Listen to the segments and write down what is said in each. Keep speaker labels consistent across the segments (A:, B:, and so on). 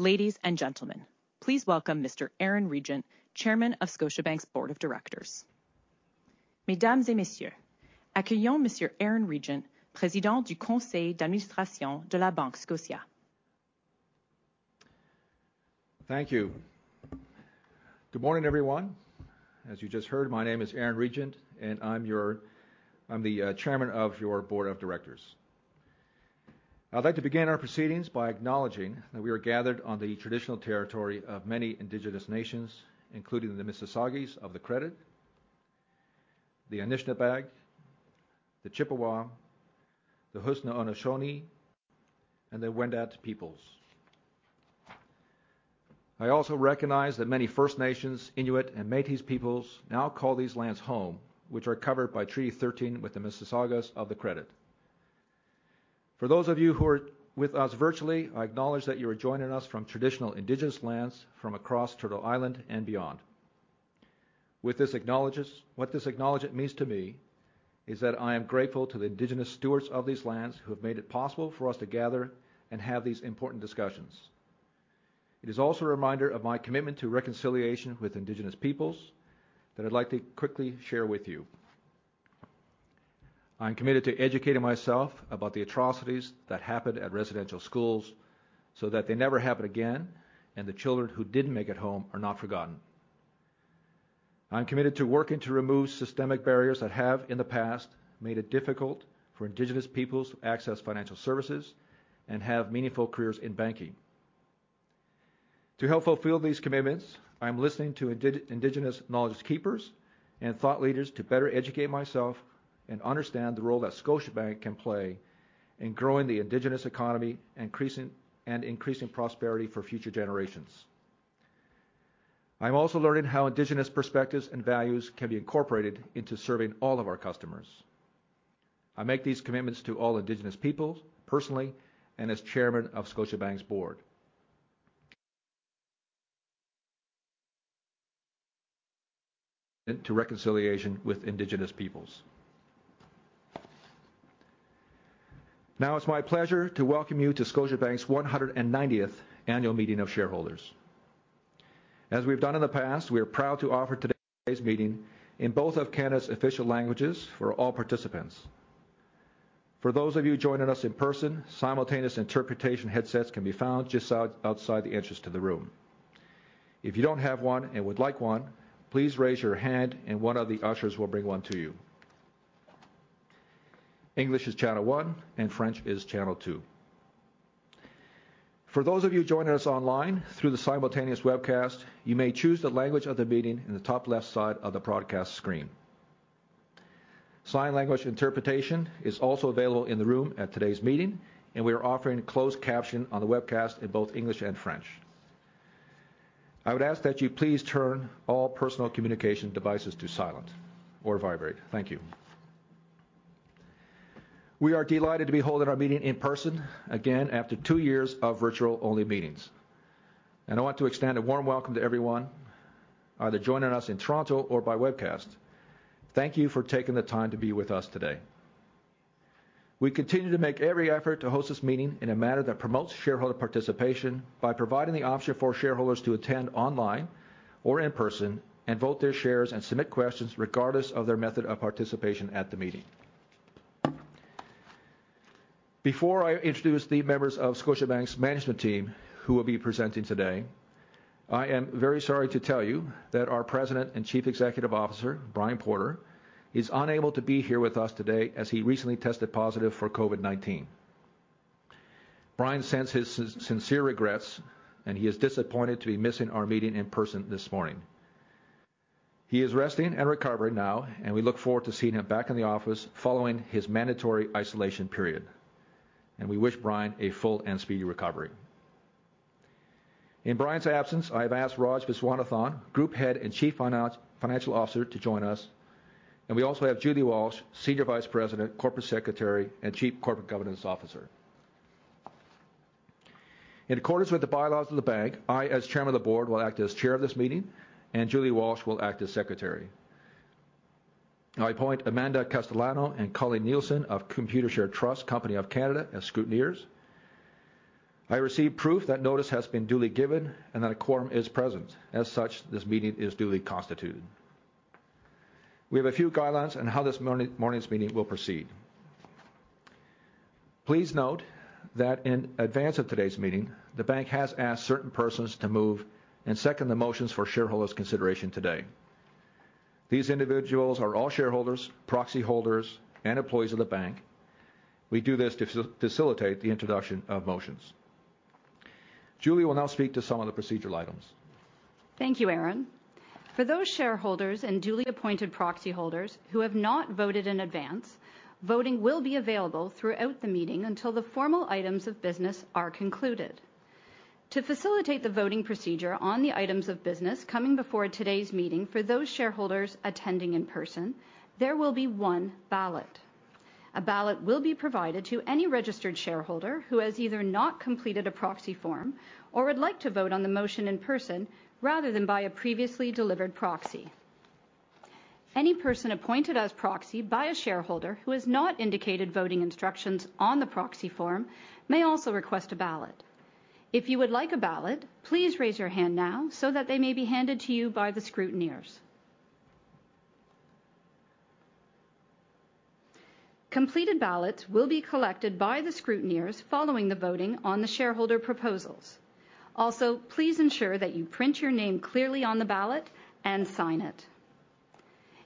A: Ladies and gentlemen, please welcome Mr. Aaron Regent, Chairman of Scotiabank's Board of Directors. Mesdames et messieurs, accueillons Monsieur Aaron Regent, président du conseil d'administration de la Banque Scotia.
B: Thank you. Good morning, everyone. As you just heard, my name is Aaron Regent, and I'm the Chairman of your board of directors. I'd like to begin our proceedings by acknowledging that we are gathered on the traditional territory of many Indigenous nations, including the Mississaugas of the Credit, the Anishinaabe, the Chippewa, the Haudenosaunee, and the Wendat peoples. I also recognize that many First Nations, Inuit, and Métis peoples now call these lands home, which are covered by Treaty 13 with the Mississaugas of the Credit. For those of you who are with us virtually, I acknowledge that you are joining us from traditional Indigenous lands from across Turtle Island and beyond. What this acknowledgement means to me is that I am grateful to the indigenous stewards of these lands who have made it possible for us to gather and have these important discussions. It is also a reminder of my commitment to reconciliation with indigenous peoples that I'd like to quickly share with you. I'm committed to educating myself about the atrocities that happened at residential schools so that they never happen again and the children who didn't make it home are not forgotten. I'm committed to working to remove systemic barriers that have, in the past, made it difficult for indigenous peoples to access financial services and have meaningful careers in banking. To help fulfill these commitments, I'm listening to Indigenous knowledge keepers and thought leaders to better educate myself and understand the role that Scotiabank can play in growing the Indigenous economy, increasing prosperity for future generations. I'm also learning how Indigenous perspectives and values can be incorporated into serving all of our customers. I make these commitments to all Indigenous peoples personally and as Chairman of Scotiabank's board to reconciliation with Indigenous peoples. Now it's my pleasure to welcome you to Scotiabank's 190th Annual Meeting of Shareholders. As we've done in the past, we are proud to offer today's meeting in both of Canada's official languages for all participants. For those of you joining us in person, simultaneous interpretation headsets can be found just outside the entrance to the room. If you don't have one and would like one, please raise your hand, and one of the ushers will bring one to you. English is channel one, and French is channel two. For those of you joining us online through the simultaneous webcast, you may choose the language of the meeting in the top left side of the broadcast screen. Sign language interpretation is also available in the room at today's meeting, and we are offering closed caption on the webcast in both English and French. I would ask that you please turn all personal communication devices to silent or vibrate. Thank you. We are delighted to be holding our meeting in person again after two years of virtual-only meetings, and I want to extend a warm welcome to everyone either joining us in Toronto or by webcast. Thank you for taking the time to be with us today. We continue to make every effort to host this meeting in a manner that promotes shareholder participation by providing the option for shareholders to attend online or in person and vote their shares and submit questions regardless of their method of participation at the meeting. Before I introduce the members of Scotiabank's management team who will be presenting today, I am very sorry to tell you that our President and Chief Executive Officer, Brian Porter, is unable to be here with us today as he recently tested positive for COVID-19. Brian sends his sincere regrets, and he is disappointed to be missing our meeting in person this morning. He is resting and recovering now, and we look forward to seeing him back in the office following his mandatory isolation period, and we wish Brian a full and speedy recovery. In Brian's absence, I have asked Raj Viswanathan, Group Head and Chief Financial Officer, to join us, and we also have Julie Walsh, Senior Vice President, Corporate Secretary, and Chief Corporate Governance Officer. In accordance with the bylaws of the bank, I, as Chairman of the Board, will act as chair of this meeting, and Julie Walsh will act as secretary. I appoint Amanda Castellano and Colleen Nielsen of Computershare Trust Company of Canada as scrutineers. I receive proof that notice has been duly given and that a quorum is present. As such, this meeting is duly constituted. We have a few guidelines on how this morning's meeting will proceed. Please note that in advance of today's meeting, the bank has asked certain persons to move and second the motions for shareholders' consideration today. These individuals are all shareholders, proxy holders, and employees of the bank. We do this to facilitate the introduction of motions. Julie will now speak to some of the procedural items.
A: Thank you, Aaron. For those shareholders and duly appointed proxy holders who have not voted in advance, voting will be available throughout the meeting until the formal items of business are concluded. To facilitate the voting procedure on the items of business coming before today's meeting, for those shareholders attending in person, there will be one ballot. A ballot will be provided to any registered shareholder who has either not completed a proxy form or would like to vote on the motion in person rather than by a previously delivered proxy. Any person appointed as proxy by a shareholder who has not indicated voting instructions on the proxy form may also request a ballot. If you would like a ballot, please raise your hand now so that they may be handed to you by the scrutineers. Completed ballots will be collected by the scrutineers following the voting on the shareholder proposals. Also, please ensure that you print your name clearly on the ballot and sign it.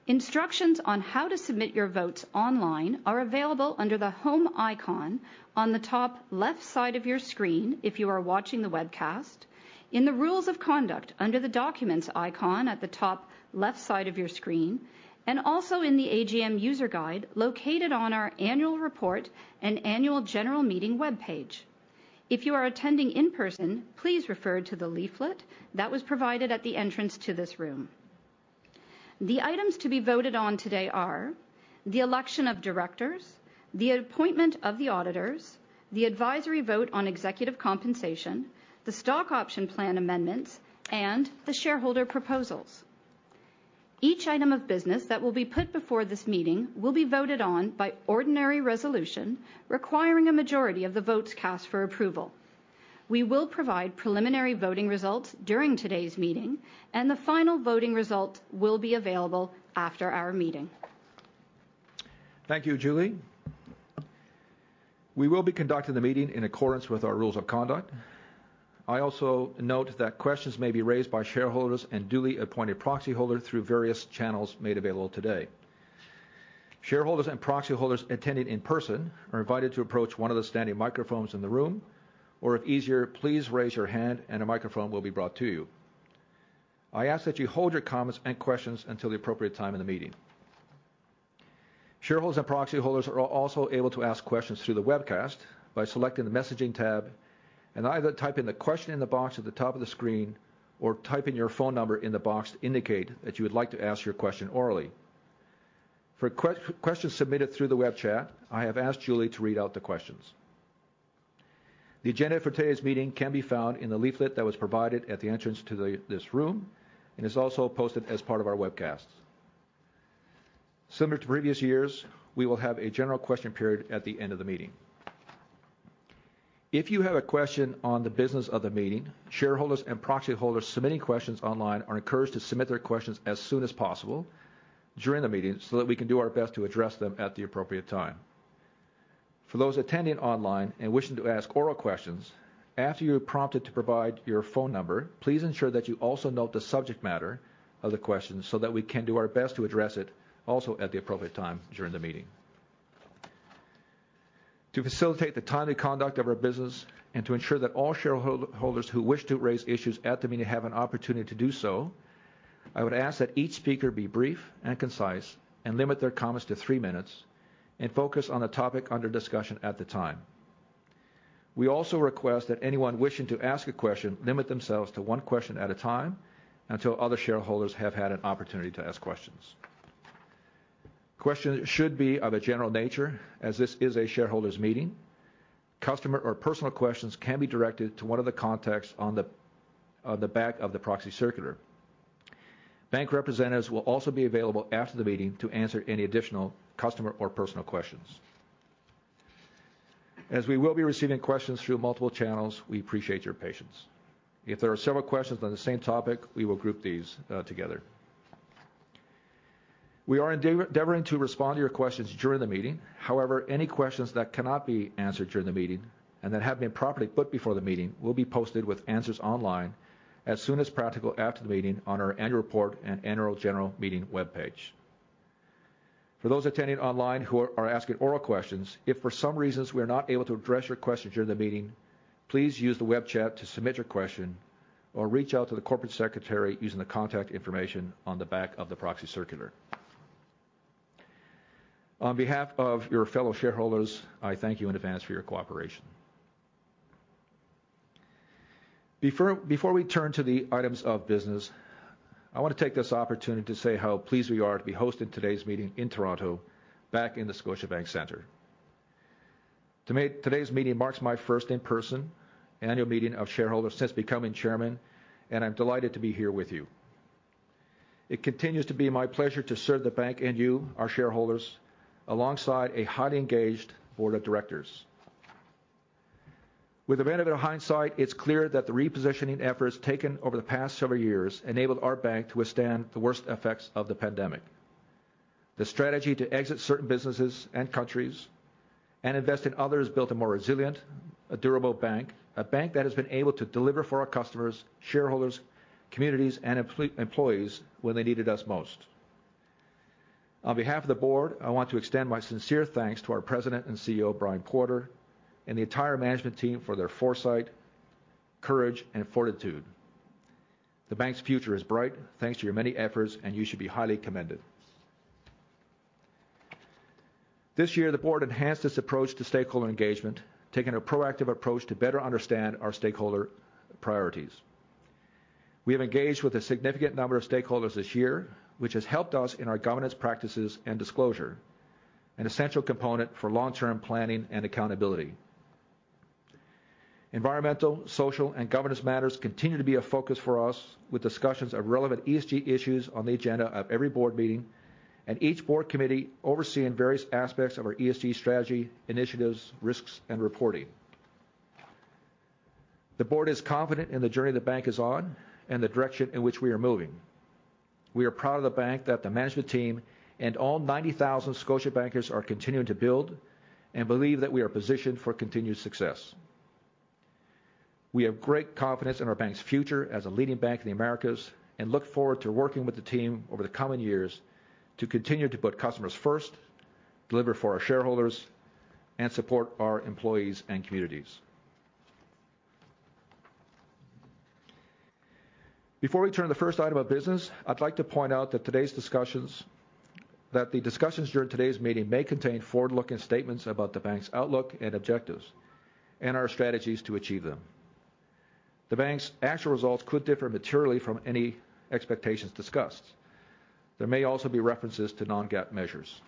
A: Instructions on how to submit your votes online are available under the home icon on the top left side of your screen, if you are watching the webcast, in the rules of conduct under the documents icon at the top left side of your screen, and also in the AGM user guide located on our annual report and annual general meeting webpage. If you are attending in person, please refer to the leaflet that was provided at the entrance to this room. The items to be voted on today are the election of directors, the appointment of the auditors, the advisory vote on executive compensation, the stock option plan amendments, and the shareholder proposals. Each item of business that will be put before this meeting will be voted on by ordinary resolution, requiring a majority of the votes cast for approval. We will provide preliminary voting results during today's meeting, and the final voting result will be available after our meeting.
B: Thank you, Julie. We will be conducting the meeting in accordance with our rules of conduct. I also note that questions may be raised by shareholders and duly appointed proxy holder through various channels made available today. Shareholders and proxy holders attending in person are invited to approach one of the standing microphones in the room, or if easier, please raise your hand and a microphone will be brought to you. I ask that you hold your comments and questions until the appropriate time in the meeting. Shareholders and proxy holders are also able to ask questions through the webcast by selecting the messaging tab and either type in the question in the box at the top of the screen or type in your phone number in the box to indicate that you would like to ask your question orally. For questions submitted through the web chat, I have asked Julie to read out the questions. The agenda for today's meeting can be found in the leaflet that was provided at the entrance to this room and is also posted as part of our webcast. Similar to previous years, we will have a general question period at the end of the meeting. If you have a question on the business of the meeting, shareholders and proxy holders submitting questions online are encouraged to submit their questions as soon as possible during the meeting, so that we can do our best to address them at the appropriate time. For those attending online and wishing to ask oral questions, after you are prompted to provide your phone number, please ensure that you also note the subject matter of the question so that we can do our best to address it also at the appropriate time during the meeting. To facilitate the timely conduct of our business and to ensure that all shareholders have an opportunity to do so, I would ask that each speaker be brief and concise and limit their comments to three minutes and focus on the topic under discussion at the time. We also request that anyone wishing to ask a question limit themselves to one question at a time until other shareholders have had an opportunity to ask questions. Questions should be of a general nature, as this is a shareholders meeting. Customer or personal questions can be directed to one of the contacts on the back of the proxy circular. Bank representatives will also be available after the meeting to answer any additional customer or personal questions. As we will be receiving questions through multiple channels, we appreciate your patience. If there are several questions on the same topic, we will group these together. We are endeavoring to respond to your questions during the meeting. However, any questions that cannot be answered during the meeting and that have been properly put before the meeting will be posted with answers online as soon as practical after the meeting on our annual report and annual general meeting webpage. For those attending online who are asking oral questions, if for some reasons we are not able to address your question during the meeting, please use the web chat to submit your question or reach out to the corporate secretary using the contact information on the back of the proxy circular. On behalf of your fellow shareholders, I thank you in advance for your cooperation. Before we turn to the items of business, I wanna take this opportunity to say how pleased we are to be hosting today's meeting in Toronto back in the Scotiabank Center. To me, today's meeting marks my first in-person annual meeting of shareholders since becoming chairman, and I'm delighted to be here with you. It continues to be my pleasure to serve the bank and you, our shareholders, alongside a highly engaged board of directors. With the benefit of hindsight, it's clear that the repositioning efforts taken over the past several years enabled our bank to withstand the worst effects of the pandemic. The strategy to exit certain businesses and countries and invest in others built a more resilient, durable bank, a bank that has been able to deliver for our customers, shareholders, communities, and employees when they needed us most. On behalf of the board, I want to extend my sincere thanks to our President and CEO, Brian Porter, and the entire management team for their foresight, courage, and fortitude. The bank's future is bright thanks to your many efforts, and you should be highly commended. This year, the board enhanced its approach to stakeholder engagement, taking a proactive approach to better understand our stakeholder priorities. We have engaged with a significant number of stakeholders this year, which has helped us in our governance practices and disclosure, an essential component for long-term planning and accountability. Environmental, social, and governance matters continue to be a focus for us, with discussions of relevant ESG issues on the agenda of every board meeting and each board committee overseeing various aspects of our ESG strategy, initiatives, risks, and reporting. The board is confident in the journey the bank is on and the direction in which we are moving. We are proud of the bank that the management team and all 90,000 Scotiabankers are continuing to build and believe that we are positioned for continued success. We have great confidence in our bank's future as a leading bank in the Americas and look forward to working with the team over the coming years to continue to put customers first, deliver for our shareholders, and support our employees and communities. Before we turn to the first item of business, I'd like to point out that the discussions during today's meeting may contain forward-looking statements about the bank's outlook and objectives and our strategies to achieve them. The bank's actual results could differ materially from any expectations discussed. There may also be references to non-GAAP measures.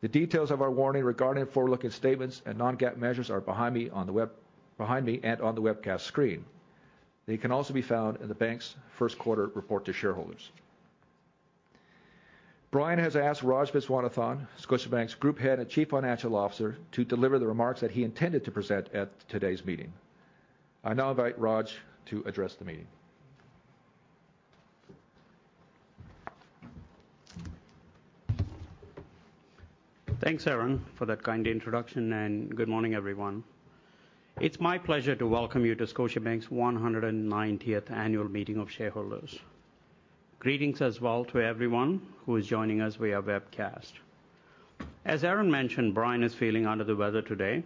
B: The details of our warning regarding forward-looking statements and non-GAAP measures are behind me and on the webcast screen. They can also be found in the bank's first quarter report to shareholders. Brian has asked Raj Viswanathan, Scotiabank's Group Head and Chief Financial Officer, to deliver the remarks that he intended to present at today's meeting. I now invite Raj to address the meeting.
C: Thanks, Aaron, for that kind introduction, and good morning, everyone. It's my pleasure to welcome you to Scotiabank's 190th Annual Meeting of Shareholders. Greetings as well to everyone who is joining us via webcast. As Aaron mentioned, Brian is feeling under the weather today.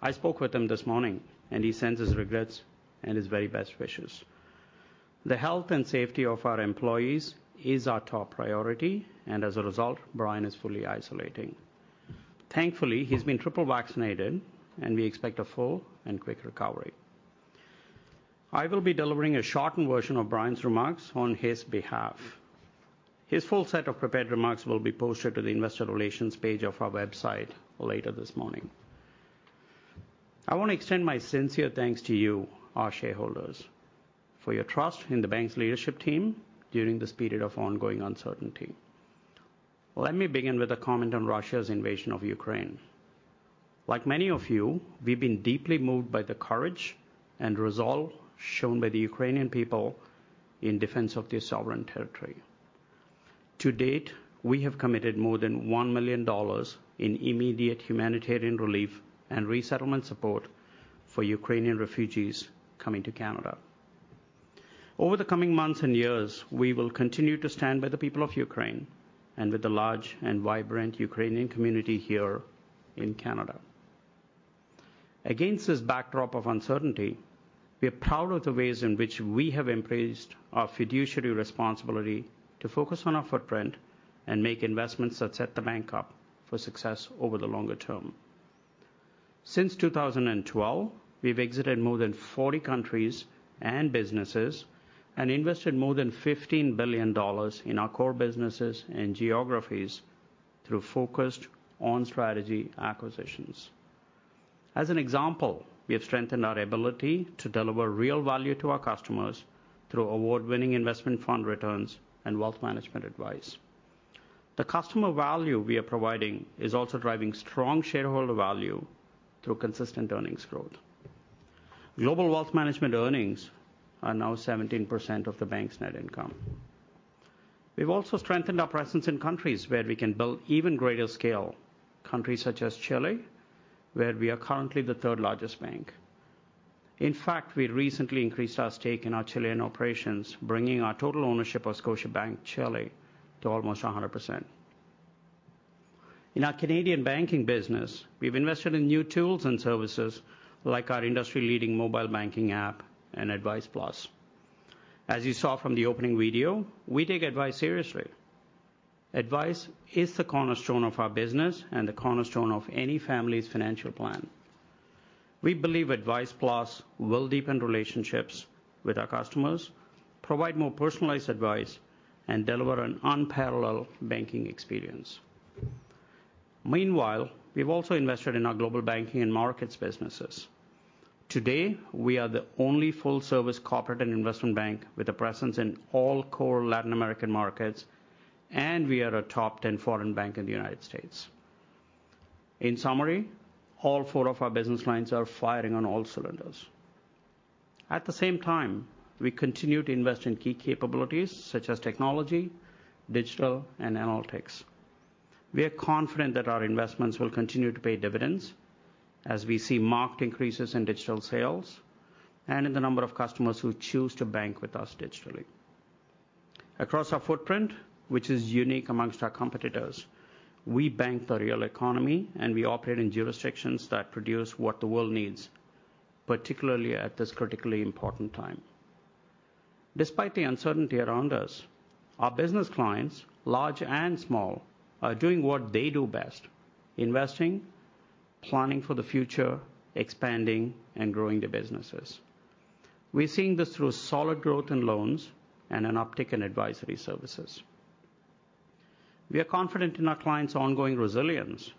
C: I spoke with him this morning, and he sends his regrets and his very best wishes. The health and safety of our employees is our top priority, and as a result, Brian is fully isolating. Thankfully, he's been triple vaccinated, and we expect a full and quick recovery. I will be delivering a shortened version of Brian's remarks on his behalf. His full set of prepared remarks will be posted to the investor relations page of our website later this morning. I want to extend my sincere thanks to you, our shareholders, for your trust in the bank's leadership team during this period of ongoing uncertainty. Let me begin with a comment on Russia's invasion of Ukraine. Like many of you, we've been deeply moved by the courage and resolve shown by the Ukrainian people in defense of their sovereign territory. To date, we have committed more than $1 million in immediate humanitarian relief and resettlement support for Ukrainian refugees coming to Canada. Over the coming months and years, we will continue to stand by the people of Ukraine and with the large and vibrant Ukrainian community here in Canada. Against this backdrop of uncertainty, we are proud of the ways in which we have embraced our fiduciary responsibility to focus on our footprint and make investments that set the bank up for success over the longer term. Since 2012, we've exited more than 40 countries and businesses and invested more than $15 billion in our core businesses and geographies through focused on-strategy acquisitions. As an example, we have strengthened our ability to deliver real value to our customers through award-winning investment fund returns and wealth management advice. The customer value we are providing is also driving strong shareholder value through consistent earnings growth. Global wealth management earnings are now 17% of the bank's net income. We've also strengthened our presence in countries where we can build even greater scale, countries such as Chile, where we are currently the third-largest bank. In fact, we recently increased our stake in our Chilean operations, bringing our total ownership of Scotiabank Chile to almost 100%. In our Canadian banking business, we've invested in new tools and services like our industry-leading mobile banking app and Advice+. As you saw from the opening video, we take advice seriously. Advice is the cornerstone of our business and the cornerstone of any family's financial plan. We believe Advice+ will deepen relationships with our customers, provide more personalized advice, and deliver an unparalleled banking experience. Meanwhile, we've also invested in our global banking and markets businesses. Today, we are the only full-service corporate and investment bank with a presence in all core Latin American markets, and we are a top ten foreign bank in the United States. In summary, all four of our business lines are firing on all cylinders. At the same time, we continue to invest in key capabilities such as technology, digital, and analytics. We are confident that our investments will continue to pay dividends as we see marked increases in digital sales and in the number of customers who choose to bank with us digitally. Across our footprint, which is unique amongst our competitors, we bank the real economy, and we operate in jurisdictions that produce what the world needs, particularly at this critically important time. Despite the uncertainty around us, our business clients, large and small, are doing what they do best, investing, planning for the future, expanding, and growing their businesses. We're seeing this through solid growth in loans and an uptick in advisory services. We are confident in our clients' ongoing resilience.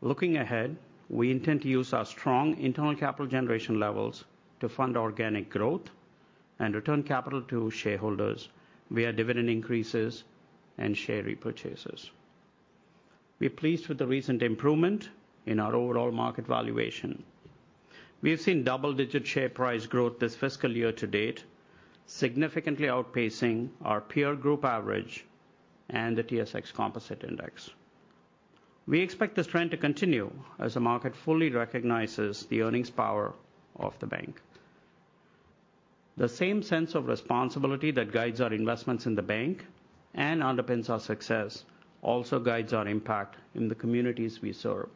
C: Looking ahead, we intend to use our strong internal capital generation levels to fund organic growth and return capital to shareholders via dividend increases and share repurchases. We're pleased with the recent improvement in our overall market valuation. We have seen double-digit share price growth this fiscal year to date, significantly outpacing our peer group average and the TSX Composite Index. We expect this trend to continue as the market fully recognizes the earnings power of the bank. The same sense of responsibility that guides our investments in the bank and underpins our success also guides our impact in the communities we serve.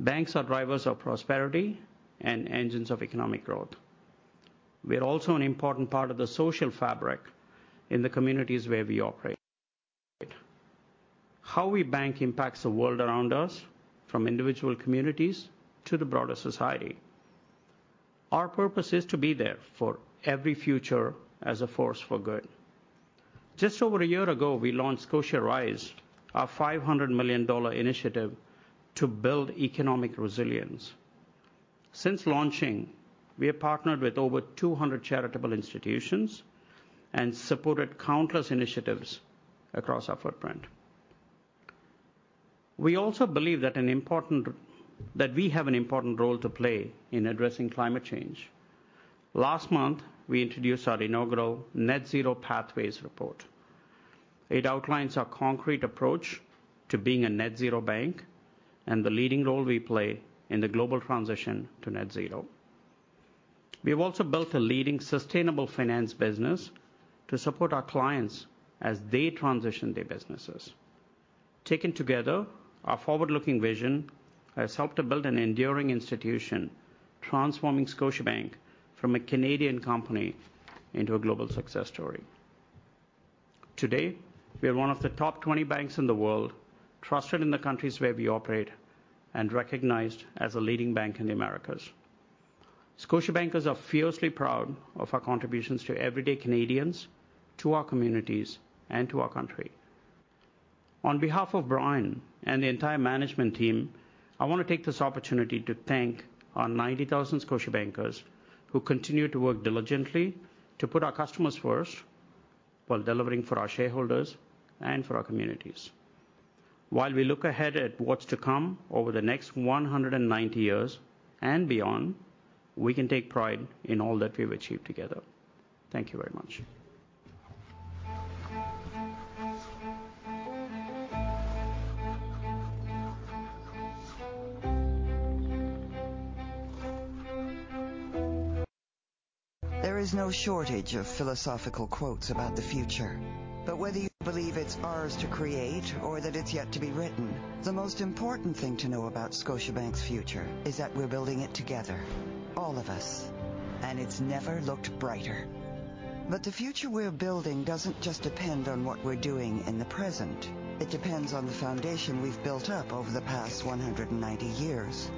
C: Banks are drivers of prosperity and engines of economic growth. We're also an important part of the social fabric in the communities where we operate. How we bank impacts the world around us, from individual communities to the broader society. Our purpose is to be there for every future as a force for good. Just over a year ago, we launched ScotiaRISE, our $500 million initiative to build economic resilience. Since launching, we have partnered with over 200 charitable institutions and supported countless initiatives across our footprint. We also believe that we have an important role to play in addressing climate change. Last month, we introduced our inaugural Net-Zero Pathways Report. It outlines our concrete approach to being a net-zero bank and the leading role we play in the global transition to net-zero. We have also built a leading sustainable finance business to support our clients as they transition their businesses. Taken together, our forward-looking vision has helped to build an enduring institution, transforming Scotiabank from a Canadian company into a global success story. Today, we are one of the top 20 banks in the world, trusted in the countries where we operate, and recognized as a leading bank in the Americas. Scotiabankers are fiercely proud of our contributions to everyday Canadians, to our communities, and to our country. On behalf of Brian and the entire management team, I want to take this opportunity to thank our 90,000 Scotiabankers who continue to work diligently to put our customers first while delivering for our shareholders and for our communities. While we look ahead at what's to come over the next 190 years and beyond, we can take pride in all that we've achieved together. Thank you very much.
D: There is no shortage of philosophical quotes about the future. Whether you believe it's ours to create or that it's yet to be written, the most important thing to know about Scotiabank's future is that we're building it together, all of us, and it's never looked brighter. The future we're building doesn't just depend on what we're doing in the present. It depends on the foundation we've built up over the past 190 years.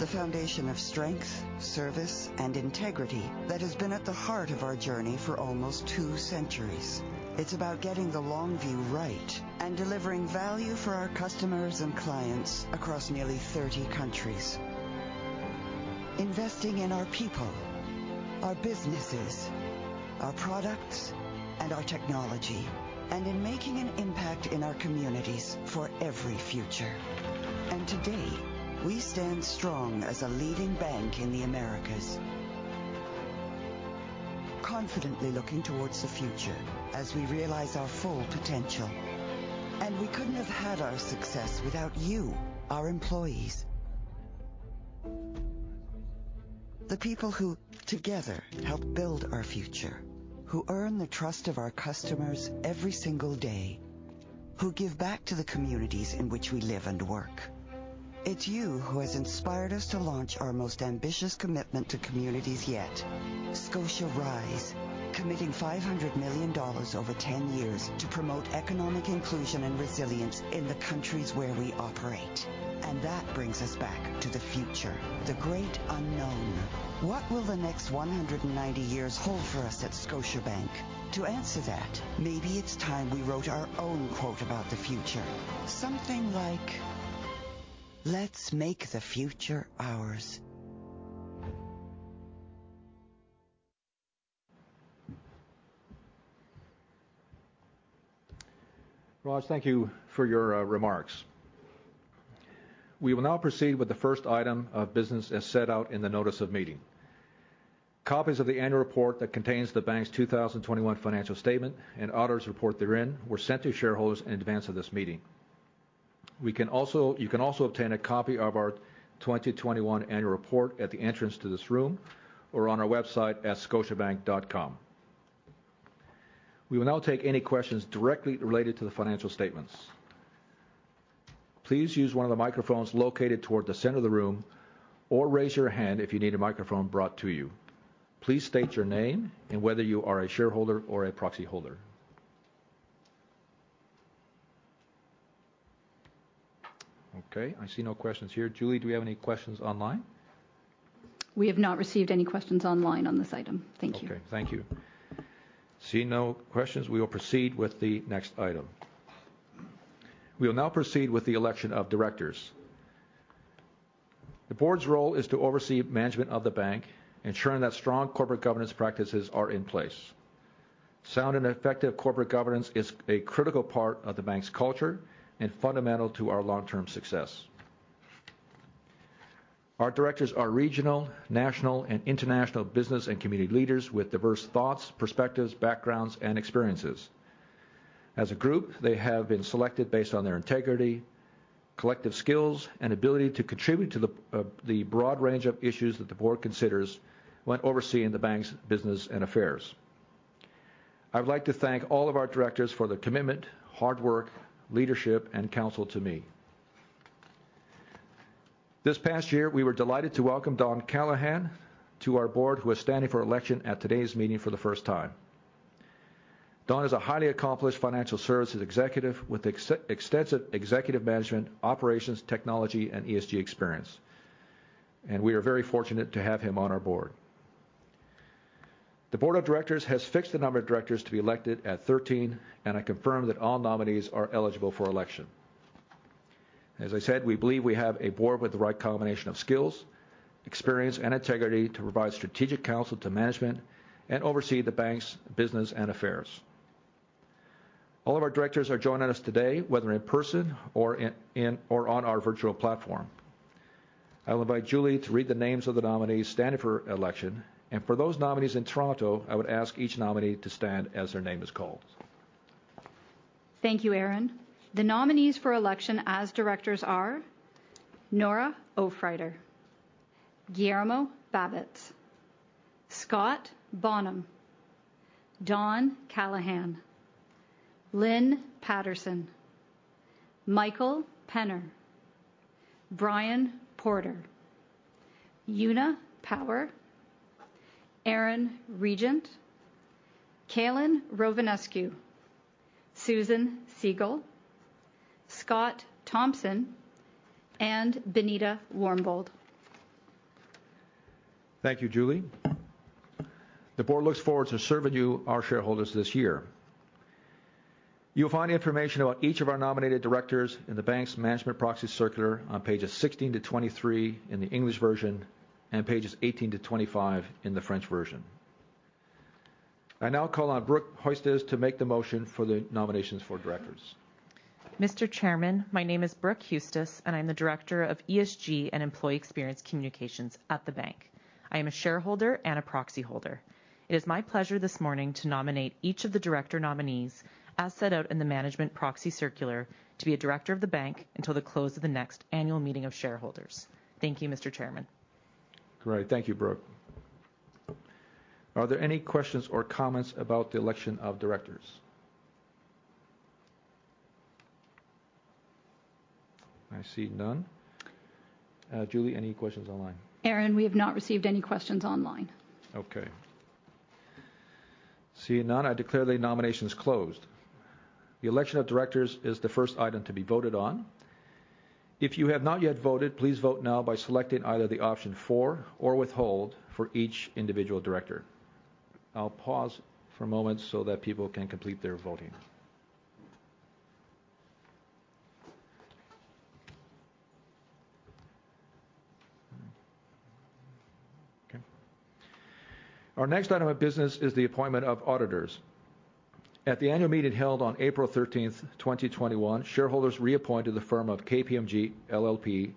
D: The foundation of strength, service, and integrity that has been at the heart of our journey for almost two centuries. It's about getting the long view right and delivering value for our customers and clients across nearly 30 countries. Investing in our people, our businesses, our products, and our technology, and in making an impact in our communities for every future. Today, we stand strong as a leading bank in the Americas. Confidently looking toward the future as we realize our full potential. We couldn't have had our success without you, our employees. The people who together help build our future, who earn the trust of our customers every single day, who give back to the communities in which we live and work. It's you who has inspired us to launch our most ambitious commitment to communities yet, ScotiaRISE, committing $500 million over 10 years to promote economic inclusion and resilience in the countries where we operate. That brings us back to the future, the great unknown. What will the next 190 years hold for us at Scotiabank? To answer that, maybe it's time we wrote our own quote about the future. Something like, "Let's make the future ours."
B: Raj, thank you for your remarks. We will now proceed with the first item of business as set out in the notice of meeting. Copies of the annual report that contains the bank's 2021 financial statement and auditor's report therein were sent to shareholders in advance of this meeting. You can also obtain a copy of our 2021 annual report at the entrance to this room or on our website at scotiabank.com. We will now take any questions directly related to the financial statements. Please use one of the microphones located toward the center of the room or raise your hand if you need a microphone brought to you. Please state your name and whether you are a shareholder or a proxyholder. Okay, I see no questions here. Julie, do we have any questions online?
A: We have not received any questions online on this item. Thank you.
B: Okay. Thank you. Seeing no questions, we will proceed with the next item. We will now proceed with the election of directors. The board's role is to oversee management of the bank, ensuring that strong corporate governance practices are in place. Sound and effective corporate governance is a critical part of the bank's culture and fundamental to our long-term success. Our directors are regional, national, and international business and community leaders with diverse thoughts, perspectives, backgrounds, and experiences. As a group, they have been selected based on their integrity, collective skills, and ability to contribute to the broad range of issues that the board considers when overseeing the bank's business and affairs. I would like to thank all of our directors for their commitment, hard work, leadership, and counsel to me. This past year, we were delighted to welcome Don Callahan to our board, who is standing for election at today's meeting for the first time. Don is a highly accomplished financial services executive with extensive executive management, operations, technology, and ESG experience, and we are very fortunate to have him on our board. The board of directors has fixed the number of directors to be elected at 13, and I confirm that all nominees are eligible for election. As I said, we believe we have a board with the right combination of skills, experience, and integrity to provide strategic counsel to management and oversee the bank's business and affairs. All of our directors are joining us today, whether in person or on our virtual platform. I invite Julie to read the names of the nominees standing for election. For those nominees in Toronto, I would ask each nominee to stand as their name is called.
A: Thank you, Aaron. The nominees for election as directors are Nora Aufreiter, Guillermo Babatz, Scott Bonham, Don Callahan, Lynn Patterson, Michael Penner, Brian Porter, Una Power, Aaron Regent, Calin Rovinescu, Susan Segal, Scott Thomson, and Benita Warmbold.
B: Thank you, Julie. The board looks forward to serving you, our shareholders, this year. You'll find information about each of our nominated directors in the bank's management proxy circular on pages 16-23 in the English version and pages 18-25 in the French version. I now call on Brooke Huestis to make the motion for the nominations for directors.
E: Mr. Chairman, my name is Brooke Huestis, and I'm the Director of ESG and Employee Experience Communications at the bank. I am a shareholder and a proxy holder. It is my pleasure this morning to nominate each of the director nominees, as set out in the management proxy circular, to be a director of the bank until the close of the next annual meeting of shareholders. Thank you, Mr. Chairman.
B: Great. Thank you, Brooke. Are there any questions or comments about the election of directors? I see none. Julie, any questions online?
A: Aaron, we have not received any questions online.
B: Okay. Seeing none, I declare the nominations closed. The election of directors is the first item to be voted on. If you have not yet voted, please vote now by selecting either the option For or Withhold for each individual director. I'll pause for a moment so that people can complete their voting. Okay. Our next item of business is the appointment of auditors. At the annual meeting held on April 13th, 2021, shareholders reappointed the firm of KPMG LLP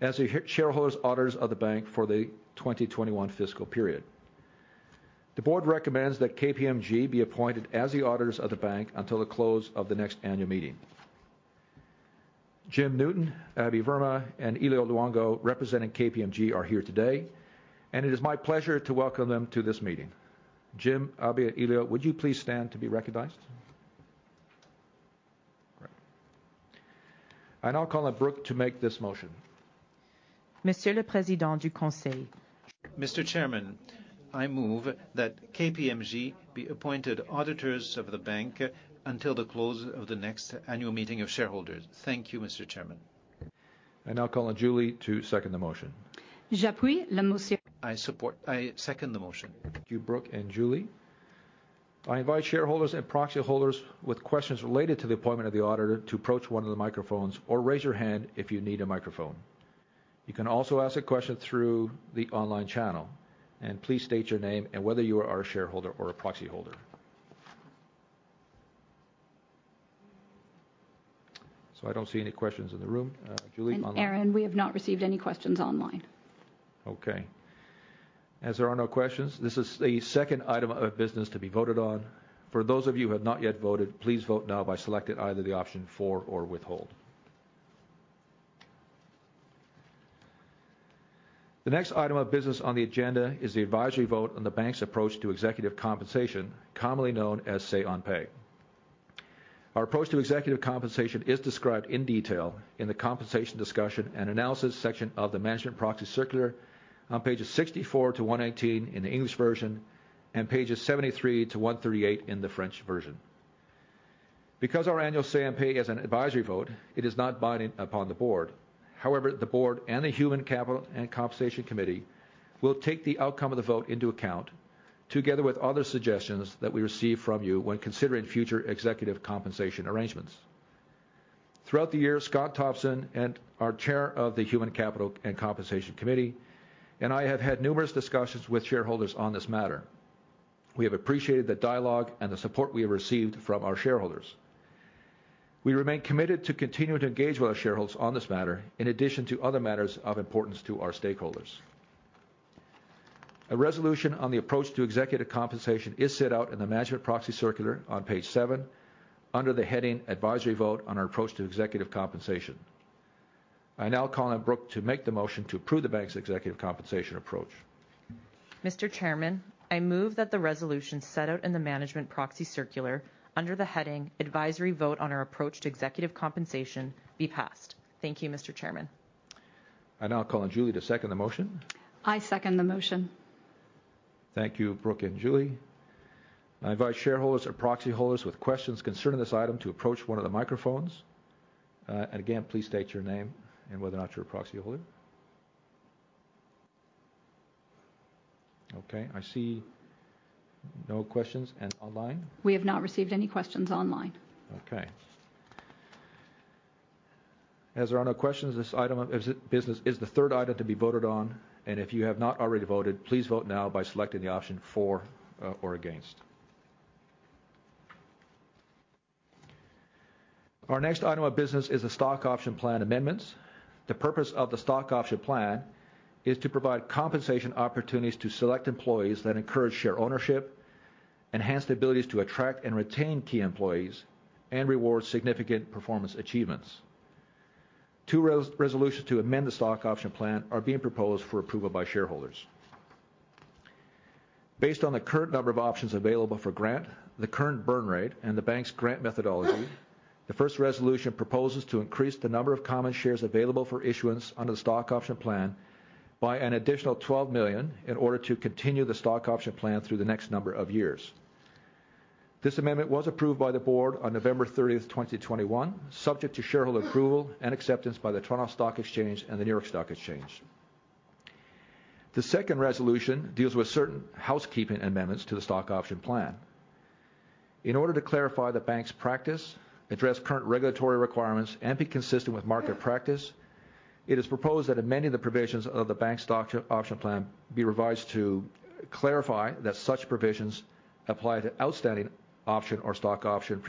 B: as the shareholders auditors of the bank for the 2021 fiscal period. The board recommends that KPMG be appointed as the auditors of the bank until the close of the next annual meeting. Jim Newton, Abhay Verma, and Elio Luongo representing KPMG are here today, and it is my pleasure to welcome them to this meeting. Jim, Abhay, Elio, would you please stand to be recognized? Great. I now call on Brooke to make this motion.
F: Mr. Chairman, I move that KPMG be appointed auditors of the bank until the close of the next annual meeting of shareholders. Thank you, Mr. Chairman.
B: I now call on Julie to second the motion.
F: I support. I second the motion.
B: Thank you, Brooke and Julie. I invite shareholders and proxy holders with questions related to the appointment of the auditor to approach one of the microphones or raise your hand if you need a microphone. You can also ask a question through the online channel. Please state your name and whether you are a shareholder or a proxy holder. I don't see any questions in the room. Julie, online?
A: Aaron, we have not received any questions online.
B: Okay. As there are no questions, this is the second item of business to be voted on. For those of you who have not yet voted, please vote now by selecting either the option For or Withhold. The next item of business on the agenda is the advisory vote on the bank's approach to executive compensation, commonly known as Say-on-Pay. Our approach to executive compensation is described in detail in the compensation discussion and analysis section of the management proxy circular on pages 64-119 in the English version and pages 73-138 in the French version. Because our annual Say-on-Pay is an advisory vote, it is not binding upon the board. However, the board and the Human Capital and Compensation Committee will take the outcome of the vote into account together with other suggestions that we receive from you when considering future executive compensation arrangements. Throughout the year, Scott Thomson and our Chair of the Human Capital and Compensation Committee, and I have had numerous discussions with shareholders on this matter. We have appreciated the dialogue and the support we have received from our shareholders. We remain committed to continuing to engage with our shareholders on this matter in addition to other matters of importance to our stakeholders. A resolution on the approach to executive compensation is set out in the management proxy circular on page seven under the heading Advisory Vote on our approach to Executive Compensation. I now call on Brooke to make the motion to approve the bank's executive compensation approach.
E: Mr. Chairman, I move that the resolution set out in the management proxy circular under the heading Advisory Vote on our approach to Executive Compensation be passed. Thank you, Mr. Chairman.
B: I now call on Julie to second the motion.
A: I second the motion.
B: Thank you, Brooke and Julie. I invite shareholders or proxy holders with questions concerning this item to approach one of the microphones. Again, please state your name and whether or not you're a proxy holder. Okay, I see no questions. Online?
A: We have not received any questions online.
B: Okay. As there are no questions, this item of business is the third item to be voted on. If you have not already voted, please vote now by selecting the option for or against. Our next item of business is the stock option plan amendments. The purpose of the stock option plan is to provide compensation opportunities to select employees that encourage share ownership, enhance the abilities to attract and retain key employees, and reward significant performance achievements. Two resolutions to amend the stock option plan are being proposed for approval by shareholders. Based on the current number of options available for grant, the current burn rate, and the bank's grant methodology, the first resolution proposes to increase the number of common shares available for issuance under the stock option plan by an additional 12 million in order to continue the stock option plan through the next number of years. This amendment was approved by the board on November 30th, 2021, subject to shareholder approval and acceptance by the Toronto Stock Exchange and the New York Stock Exchange. The second resolution deals with certain housekeeping amendments to the stock option plan. In order to clarify the bank's practice, address current regulatory requirements, and be consistent with market practice, it is proposed that amending the provisions of the bank stock option plan be revised to clarify that such provisions apply to outstanding option or stock option.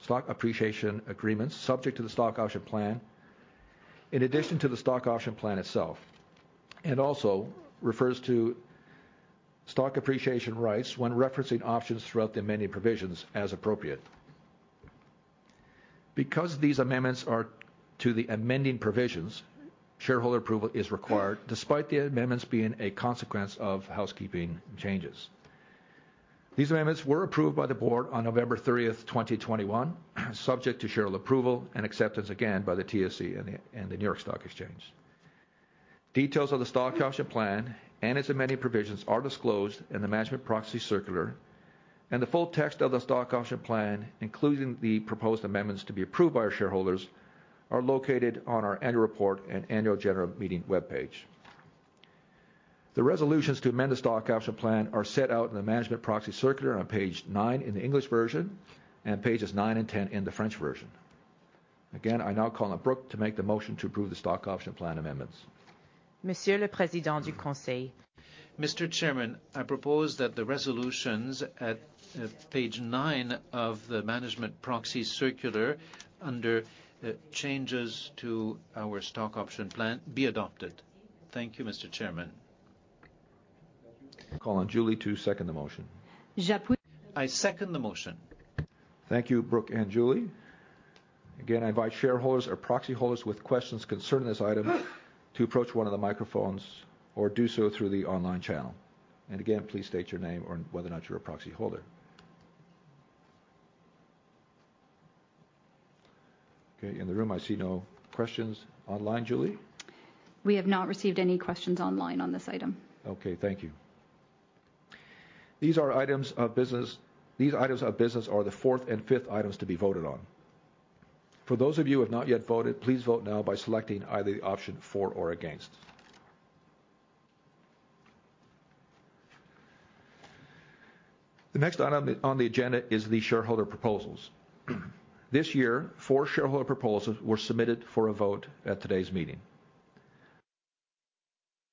B: Stock appreciation agreements subject to the stock option plan, in addition to the stock option plan itself. It also refers to stock appreciation rights when referencing options throughout the amending provisions as appropriate. Because these amendments are to the amending provisions, shareholder approval is required despite the amendments being a consequence of housekeeping changes. These amendments were approved by the board on November 30th, 2021, subject to shareholder approval and acceptance again by the TSX and the New York Stock Exchange. Details of the stock option plan and its amending provisions are disclosed in the management proxy circular, and the full text of the stock option plan, including the proposed amendments to be approved by our shareholders, are located on our annual report and annual general meeting webpage. The resolutions to amend the stock option plan are set out in the management proxy circular on page nine in the English version and pages nine and 10 in the French version. I now call on Brooke to make the motion to approve the stock option plan amendments.
F: Mr. Chairman, I propose that the resolutions at page nine of the management proxy circular under changes to our stock option plan be adopted. Thank you, Mr. Chairman.
B: Call on Julie to second the motion.
F: I second the motion.
B: Thank you, Brooke and Julie. Again, I invite shareholders or proxy holders with questions concerning this item to approach one of the microphones or do so through the online channel. Again, please state your name or whether or not you're a proxy holder. Okay. In the room, I see no questions. Online, Julie?
A: We have not received any questions online on this item.
B: Okay. Thank you. These items of business are the fourth and fifth items to be voted on. For those of you who have not yet voted, please vote now by selecting either the option for or against. The next item on the agenda is the shareholder proposals. This year, four shareholder proposals were submitted for a vote at today's meeting.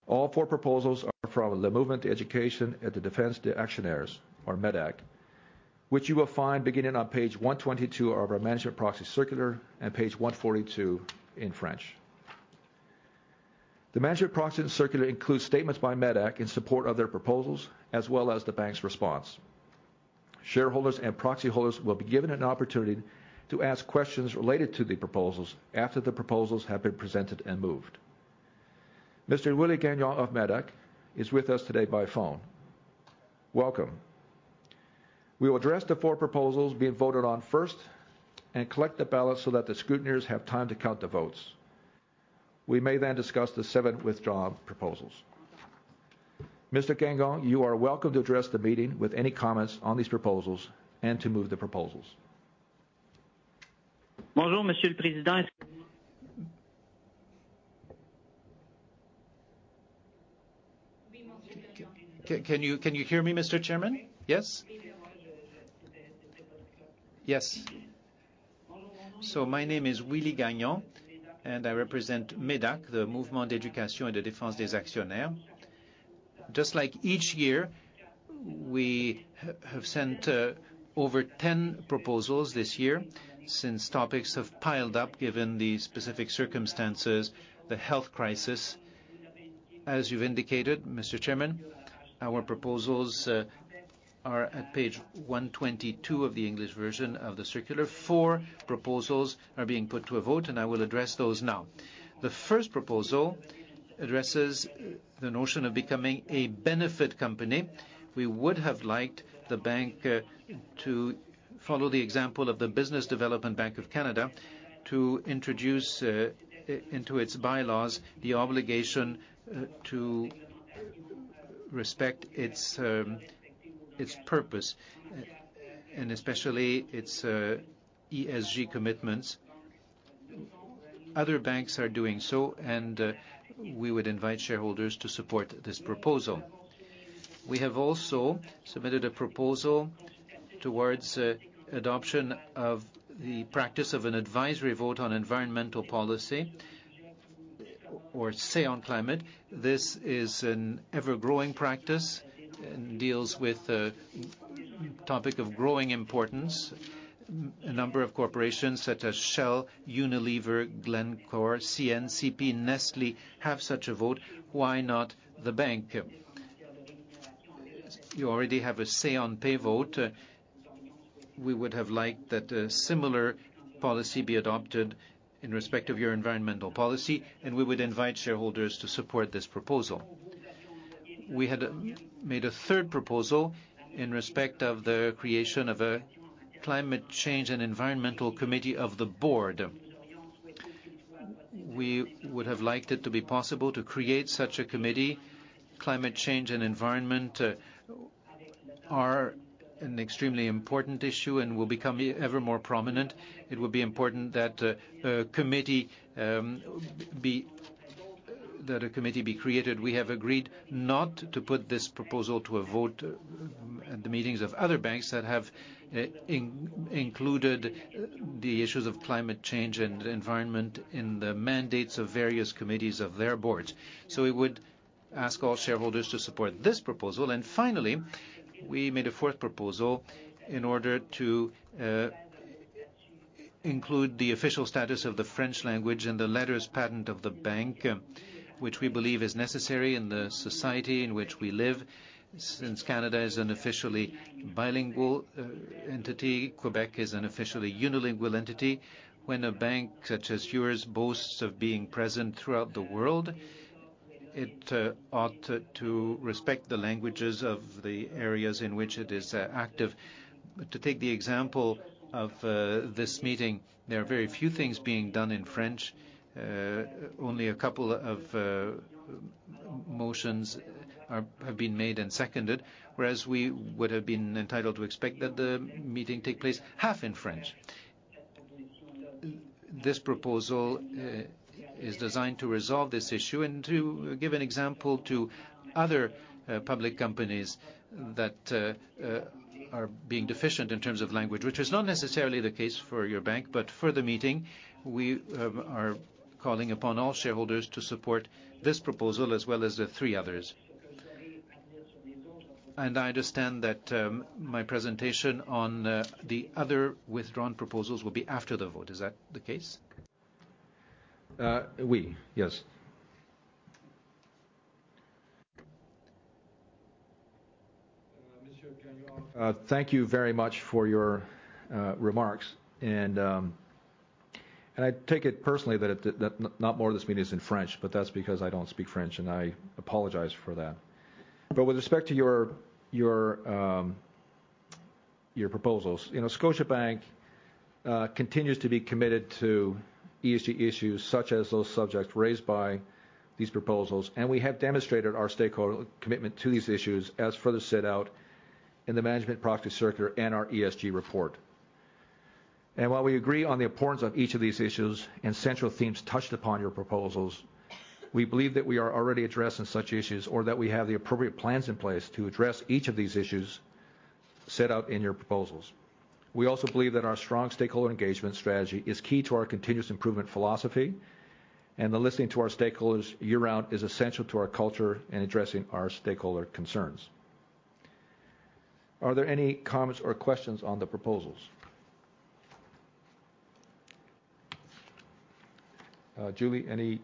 B: All four proposals are from Le Mouvement d'éducation et de défense des actionnaires, or MÉDAC, which you will find beginning on page 122 of our management proxy circular and page 142 in French. The management proxy circular includes statements by MÉDAC in support of their proposals, as well as the bank's response. Shareholders and proxy holders will be given an opportunity to ask questions related to the proposals after the proposals have been presented and moved. Mr. Willie Gagnon of MÉDAC is with us today by phone. Welcome. We will address the four proposals being voted on first and collect the ballots so that the scrutineers have time to count the votes. We may then discuss the seven withdrawn proposals. Mr. Gagnon, you are welcome to address the meeting with any comments on these proposals and to move the proposals.
G: Bonjour, Monsieur le Président. Can you hear me, Mr. Chairman? Yes? Yes. My name is Willie Gagnon, and I represent MÉDAC, the Mouvement d'éducation et de défense des actionnaires. Just like each year, we have sent over 10 proposals this year since topics have piled up given the specific circumstances, the health crisis. As you've indicated, Mr. Chairman, our proposals are at page 122 of the English version of the circular. Four proposals are being put to a vote, and I will address those now. The first proposal addresses the notion of becoming a Benefit Company. We would have liked the bank to follow the example of the Business Development Bank of Canada to introduce into its bylaws the obligation to respect its purpose and especially its ESG commitments. Other banks are doing so, and we would invite shareholders to support this proposal. We have also submitted a proposal towards adoption of the practice of an advisory vote on environmental policy or Say on Climate. This is an ever-growing practice and deals with a major topic of growing importance. A number of corporations such as Shell, Unilever, Glencore, CNPC, Nestlé, have such a vote. Why not the bank? You already have a Say-on-Pay vote. We would have liked that a similar policy be adopted in respect of your environmental policy, and we would invite shareholders to support this proposal. We had made a third proposal in respect of the creation of a climate change and environmental committee of the board. We would have liked it to be possible to create such a committee. Climate change and environment are an extremely important issue and will become ever more prominent. It will be important that a committee be created. We have agreed not to put this proposal to a vote at the meetings of other banks that have included the issues of climate change and environment in the mandates of various committees of their boards. We would ask all shareholders to support this proposal. Finally, we made a fourth proposal in order to include the official status of the French language in the letters patent of the bank, which we believe is necessary in the society in which we live since Canada is an officially bilingual entity. Quebec is an officially unilingual entity. When a bank such as yours boasts of being present throughout the world, it ought to respect the languages of the areas in which it is active. To take the example of this meeting, there are very few things being done in French. Only a couple of motions have been made and seconded, whereas we would have been entitled to expect that the meeting take place half in French. This proposal is designed to resolve this issue and to give an example to other public companies that are being deficient in terms of language, which is not necessarily the case for your bank. For the meeting, we are calling upon all shareholders to support this proposal as well as the three others. I understand that my presentation on the other withdrawn proposals will be after the vote. Is that the case?
B: Oui. Yes. Mr. Gagnon, thank you very much for your remarks. I take it personally that not more of this meeting is in French, but that's because I don't speak French, and I apologize for that. With respect to your proposals, you know, Scotiabank continues to be committed to ESG issues such as those subjects raised by these proposals. We have demonstrated our stakeholder commitment to these issues as further set out in the management proxy circular and our ESG report. While we agree on the importance of each of these issues and central themes touched upon your proposals, we believe that we are already addressing such issues or that we have the appropriate plans in place to address each of these issues set out in your proposals. We also believe that our strong stakeholder engagement strategy is key to our continuous improvement philosophy, and the listening to our stakeholders year-round is essential to our culture and addressing our stakeholder concerns. Are there any comments or questions on the proposals? Julie, any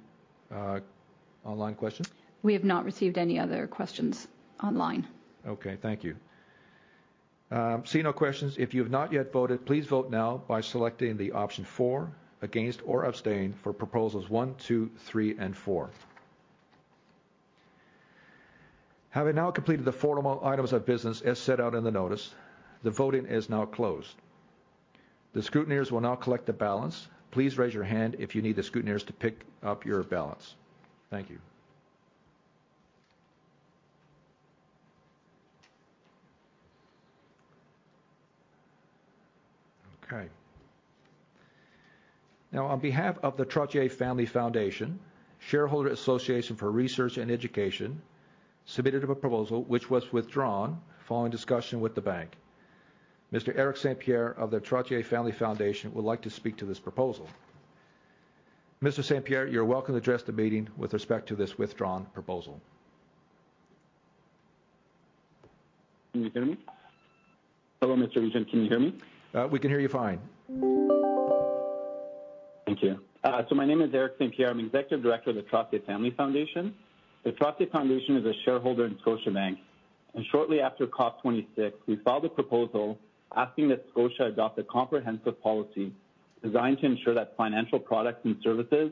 B: online questions?
A: We have not received any other questions online.
B: Okay. Thank you. Seeing no questions. If you have not yet voted, please vote now by selecting the option for, against, or abstain for proposals one, two, three, and four. Having now completed the formal items of business as set out in the notice, the voting is now closed. The scrutineers will now collect the balance. Please raise your hand if you need the scrutineers to pick up your balance. Thank you. Okay. Now, on behalf of the Trottier Family Foundation, Shareholder Association for Research and Education submitted a proposal which was withdrawn following discussion with the bank. Mr. Eric St-Pierre of the Trottier Family Foundation would like to speak to this proposal. Mr. St-Pierre, you're welcome to address the meeting with respect to this withdrawn proposal.
H: Can you hear me? Hello, Mr. Regent, can you hear me?
B: We can hear you fine.
H: Thank you. My name is Eric St-Pierre. I'm Executive Director of the Trottier Family Foundation. The Trottier Foundation is a shareholder in Scotiabank. Shortly after COP26, we filed a proposal asking that Scotia adopt a comprehensive policy designed to ensure that financial products and services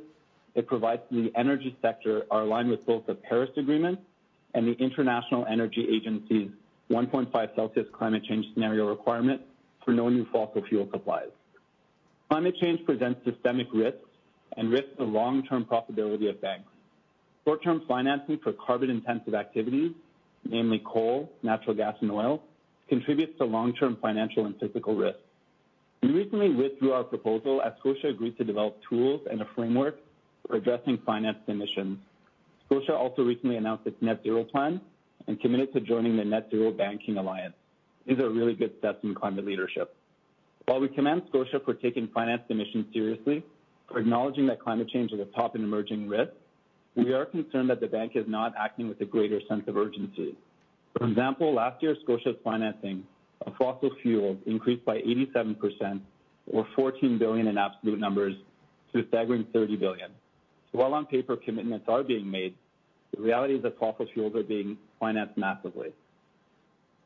H: it provides to the energy sector are aligned with both the Paris Agreement and the International Energy Agency's 1.5 Celsius climate change scenario requirement for no new fossil fuel supplies. Climate change presents systemic risks and risks to long-term profitability of banks. Short-term financing for carbon-intensive activities, namely coal, natural gas, and oil, contributes to long-term financial and physical risks. We recently withdrew our proposal as Scotia agreed to develop tools and a framework for addressing financed emissions. Scotia also recently announced its net-zero plan and committed to joining the Net-Zero Banking Alliance. These are really good steps in climate leadership. While we commend Scotia for taking finance emissions seriously, for acknowledging that climate change is a top and emerging risk, we are concerned that the bank is not acting with a greater sense of urgency. For example, last year, Scotia's financing of fossil fuels increased by 87% or $14 billion in absolute numbers to a staggering $30 billion. While on paper commitments are being made, the reality is that fossil fuels are being financed massively.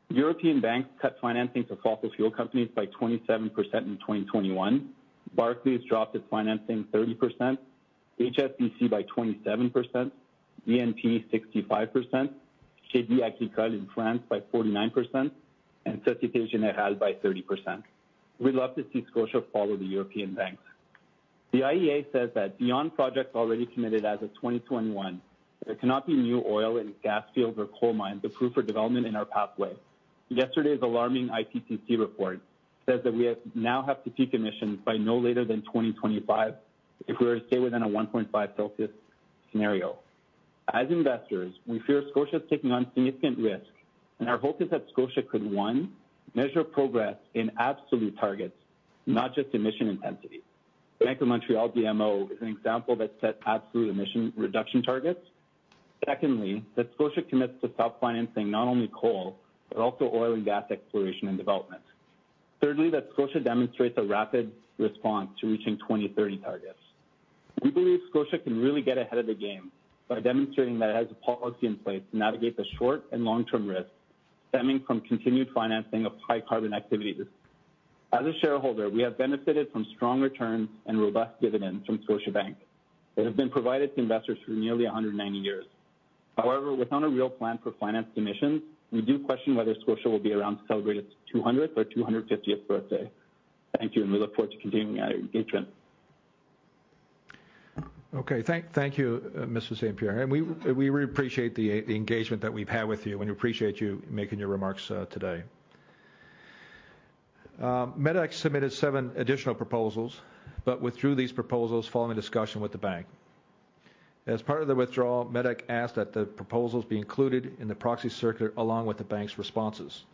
H: European banks cut financing to fossil fuel companies by 27% in 2021. Barclays dropped its financing 30%, HSBC by 27%, BNP 65%, Crédit Agricole in France by 49%, and Société Générale by 30%. We'd love to see Scotia follow the European banks. The IEA says that beyond projects already committed as of 2021, there cannot be new oil and gas fields or coal mines approved for development in our pathway. Yesterday's alarming IPCC report says that we now have to peak emissions by no later than 2025 if we're to stay within a 1.5 Celsius scenario. As investors, we fear Scotia's taking on significant risk, and our hope is that Scotia could, one, measure progress in absolute targets, not just emission intensity. Bank of Montreal, BMO, is an example that set absolute emission reduction targets. Secondly, that Scotia commits to stop financing not only coal, but also oil and gas exploration and development. Thirdly, that Scotia demonstrates a rapid response to reaching 2030 targets. We believe Scotia can really get ahead of the game by demonstrating that it has a policy in place to navigate the short- and long-term risks stemming from continued financing of high-carbon activities. As a shareholder, we have benefited from strong returns and robust dividends from Scotiabank that have been provided to investors for nearly 190 years. However, without a real plan for finance emissions, we do question whether Scotia will be around to celebrate its 200th or 250th birthday. Thank you, and we look forward to continuing our engagement.
B: Thank you, Mr. St-Pierre. We really appreciate the engagement that we've had with you, and we appreciate you making your remarks today. MÉDAC submitted seven additional proposals, but withdrew these proposals following a discussion with the bank. As part of the withdrawal, MÉDAC asked that the proposals be included in the proxy circular along with the bank's responses.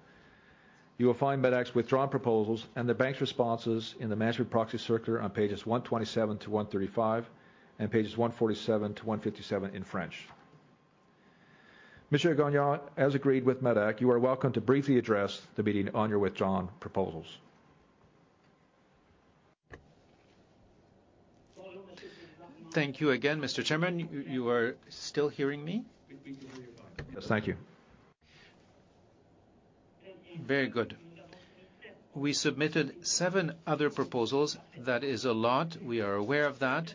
B: You will find MÉDAC's withdrawn proposals and the bank's responses in the management proxy circular on pages 127-135 and pages 147-157 in French. Mr. Gagnon, as agreed with MÉDAC, you are welcome to briefly address the meeting on your withdrawn proposals.
G: Thank you again, Mr. Chairman. You are still hearing me?
B: Yes, thank you.
G: Very good. We submitted seven other proposals. That is a lot. We are aware of that.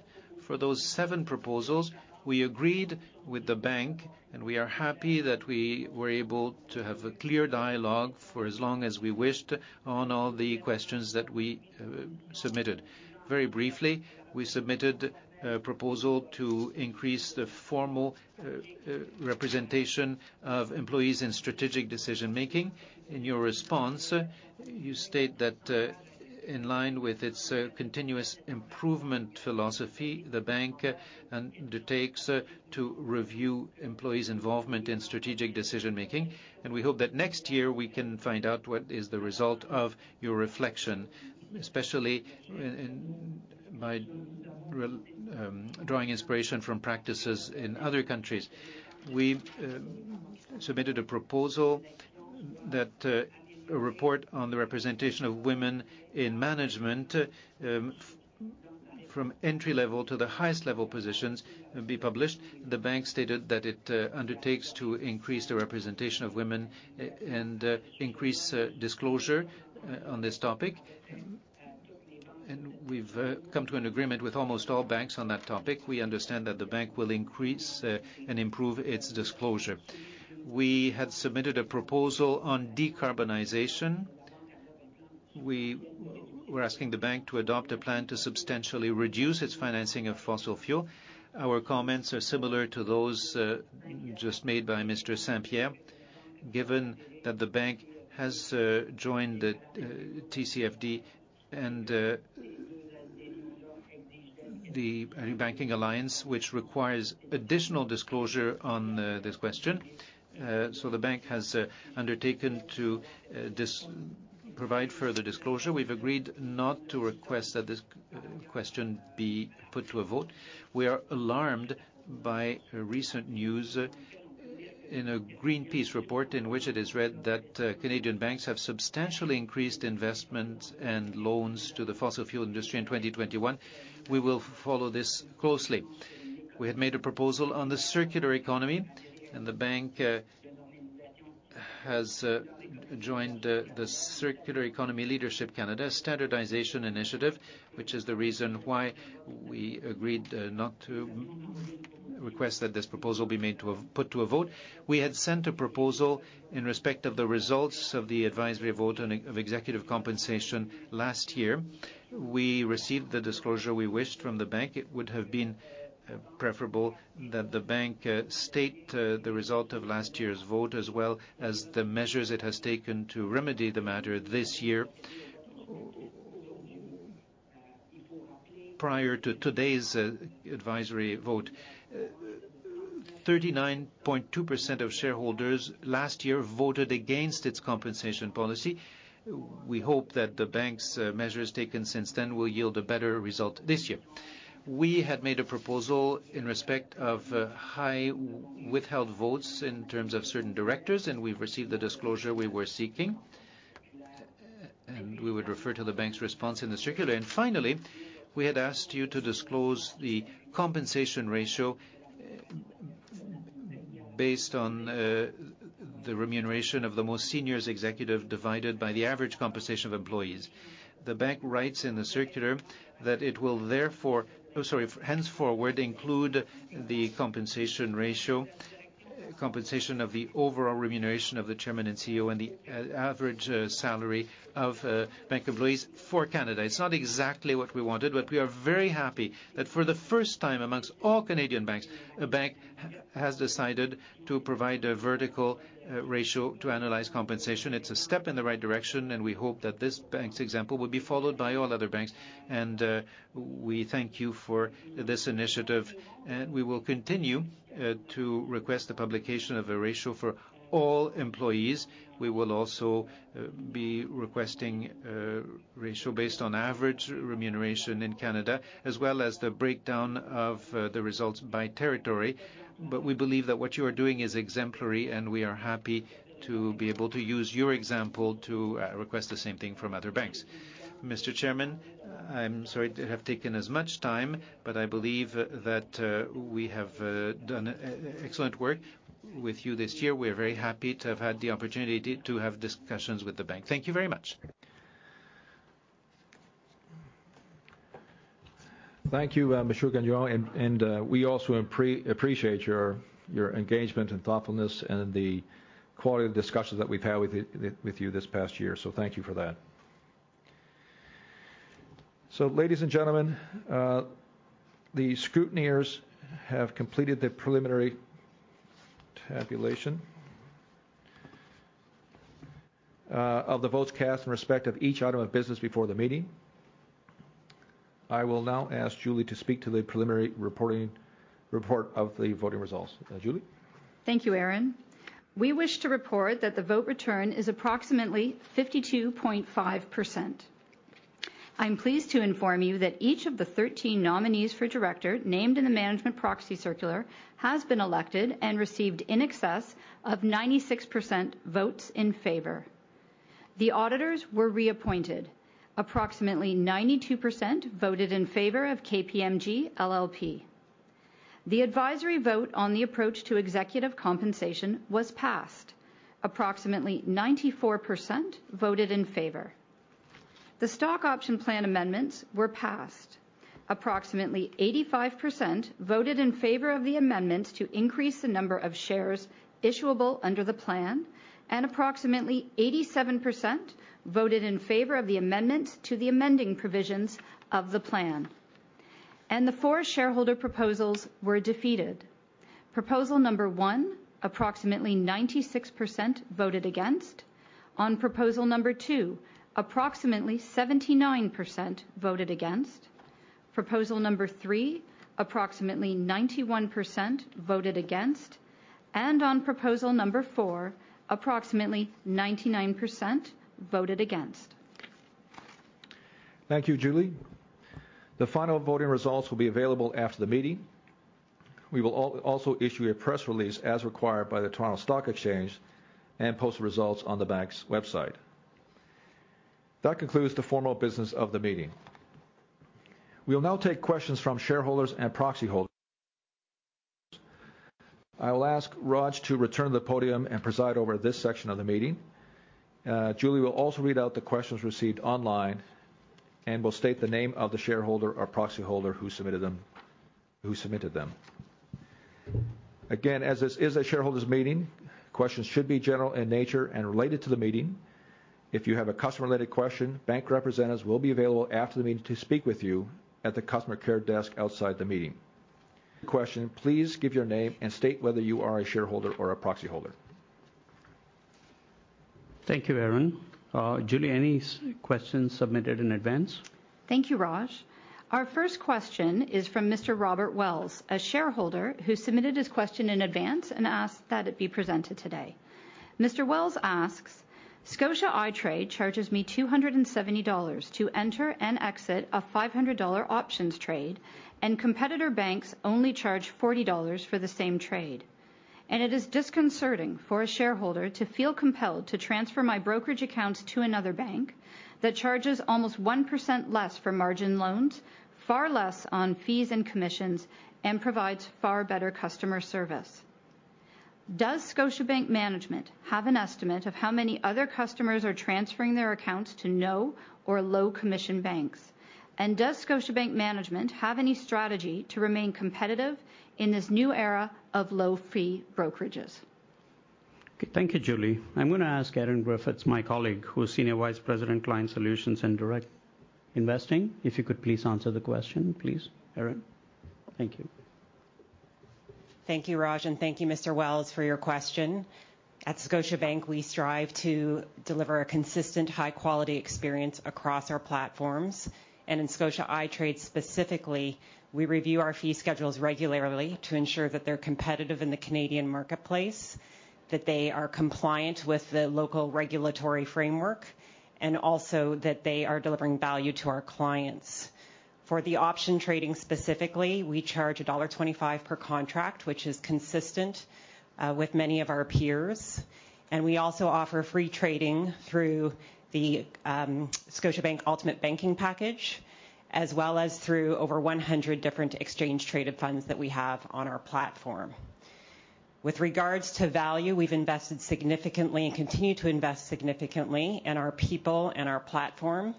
G: For those seven proposals, we agreed with the bank, and we are happy that we were able to have a clear dialogue for as long as we wished on all the questions that we submitted. Very briefly, we submitted a proposal to increase the formal representation of employees in strategic decision-making. In your response, you state that in line with its continuous improvement philosophy, the bank undertakes to review employees' involvement in strategic decision-making. We hope that next year we can find out what is the result of your reflection, especially by drawing inspiration from practices in other countries. We submitted a proposal that a report on the representation of women in management from entry-level to the highest-level positions be published. The bank stated that it undertakes to increase the representation of women and increase disclosure on this topic. We've come to an agreement with almost all banks on that topic. We understand that the bank will increase and improve its disclosure. We had submitted a proposal on decarbonization. We were asking the bank to adopt a plan to substantially reduce its financing of fossil fuel. Our comments are similar to those just made by Mr. St-Pierre. Given that the bank has joined the TCFD and the banking alliance, which requires additional disclosure on this question. The bank has undertaken to provide further disclosure. We've agreed not to request that this question be put to a vote. We are alarmed by recent news in a Greenpeace report in which it is read that Canadian banks have substantially increased investment and loans to the fossil fuel industry in 2021. We will follow this closely. We had made a proposal on the circular economy, and the bank has joined the Circular Economy Leadership Canada standardization initiative, which is the reason why we agreed not to request that this proposal be put to a vote. We had sent a proposal in respect of the results of the advisory vote on executive compensation last year. We received the disclosure we wished from the bank. It would have been preferable that the bank state the result of last year's vote, as well as the measures it has taken to remedy the matter this year. Prior to today's advisory vote, 39.2% of shareholders last year voted against its compensation policy. We hope that the bank's measures taken since then will yield a better result this year. We had made a proposal in respect of high withheld votes in terms of certain directors, and we've received the disclosure we were seeking. We would refer to the bank's response in the circular. Finally, we had asked you to disclose the compensation ratio based on the remuneration of the most senior executive divided by the average compensation of employees. The bank writes in the circular that it will therefore henceforward include the compensation ratio, compensation of the overall remuneration of the Chairman and CEO, and the average salary of bank employees for Canada. It's not exactly what we wanted, but we are very happy that for the first time among all Canadian banks, a bank has decided to provide a vertical ratio to analyze compensation. It's a step in the right direction, and we hope that this bank's example will be followed by all other banks. We thank you for this initiative, and we will continue to request the publication of a ratio for all employees. We will also be requesting a ratio based on average remuneration in Canada, as well as the breakdown of the results by territory. We believe that what you are doing is exemplary, and we are happy to be able to use your example to request the same thing from other banks. Mr. Chairman, I'm sorry to have taken as much time, but I believe that, we have, done excellent work with you this year. We're very happy to have had the opportunity to have discussions with the bank. Thank you very much.
B: Thank you, Mr. Gagnon. We also appreciate your engagement and thoughtfulness and the quality of discussions that we've had with you this past year. Thank you for that. Ladies and gentlemen, the scrutineers have completed the preliminary tabulation of the votes cast in respect of each item of business before the meeting. I will now ask Julie to speak to the preliminary report of the voting results. Julie.
A: Thank you, Aaron. We wish to report that the vote return is approximately 52.5%. I'm pleased to inform you that each of the 13 nominees for director named in the Management Proxy Circular has been elected and received in excess of 96% votes in favor. The auditors were reappointed. Approximately 92% voted in favor of KPMG LLP. The advisory vote on the approach to executive compensation was passed. Approximately 94% voted in favor. The Stock Option Plan amendments were passed. Approximately 85% voted in favor of the amendment to increase the number of shares issuable under the plan, and approximately 87% voted in favor of the amendment to the amending provisions of the plan. The four shareholder proposals were defeated. Proposal number one, approximately 96% voted against. On proposal number two, approximately 79% voted against. Proposal number three, approximately 91% voted against. On proposal number four, approximately 99% voted against.
B: Thank you, Julie. The final voting results will be available after the meeting. We will also issue a press release as required by the Toronto Stock Exchange and post results on the bank's website. That concludes the formal business of the meeting. We'll now take questions from shareholders and proxy holders. I will ask Raj to return to the podium and preside over this section of the meeting. Julie will also read out the questions received online and will state the name of the shareholder or proxy holder who submitted them. Again, as this is a shareholders' meeting, questions should be general in nature and related to the meeting. If you have a customer-related question, bank representatives will be available after the meeting to speak with you at the customer care desk outside the meeting. Question, please give your name and state whether you are a shareholder or a proxy holder.
C: Thank you, Aaron. Julie, any questions submitted in advance?
A: Thank you, Raj. Our first question is from Mr. Robert Wells, a shareholder who submitted his question in advance and asked that it be presented today. Mr. Wells asks, "Scotia iTRADE charges me $270 to enter and exit a $500 options trade, and competitor banks only charge $40 for the same trade. It is disconcerting for a shareholder to feel compelled to transfer my brokerage accounts to another bank that charges almost 1% less for margin loans, far less on fees and commissions, and provides far better customer service. Does Scotiabank management have an estimate of how many other customers are transferring their accounts to no or low commission banks? Does Scotiabank management have any strategy to remain competitive in this new era of low fee brokerages?"
C: Okay, thank you, Julie. I'm gonna ask Erin Griffiths, my colleague, who's Senior Vice President, Client Solutions and Direct Investing, if you could please answer the question, please, Erin. Thank you.
I: Thank you, Raj, and thank you Mr. Wells for your question. At Scotiabank, we strive to deliver a consistent high quality experience across our platforms. In Scotia iTRADE specifically, we review our fee schedules regularly to ensure that they're competitive in the Canadian marketplace, that they are compliant with the local regulatory framework, and also that they are delivering value to our clients. For the option trading specifically, we charge $1.25 per contract, which is consistent with many of our peers. We also offer free trading through the Scotiabank Ultimate Package, as well as through over 100 different exchange traded funds that we have on our platform. With regards to value, we've invested significantly and continue to invest significantly in our people and our platform.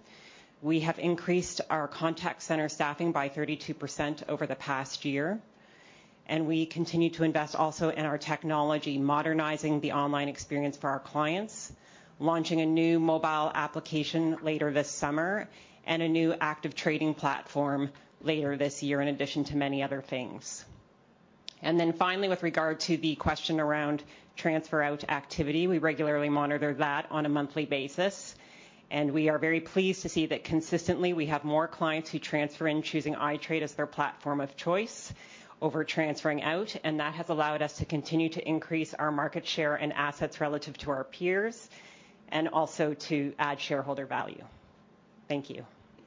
I: We have increased our contact center staffing by 32% over the past year, and we continue to invest also in our technology, modernizing the online experience for our clients, launching a new mobile application later this summer, and a new active trading platform later this year, in addition to many other things. Finally, with regard to the question around transfer out activity, we regularly monitor that on a monthly basis, and we are very pleased to see that consistently we have more clients who transfer in choosing Scotia iTRADE as their platform of choice over transferring out, and that has allowed us to continue to increase our market share and assets relative to our peers and also to add shareholder value. Thank you.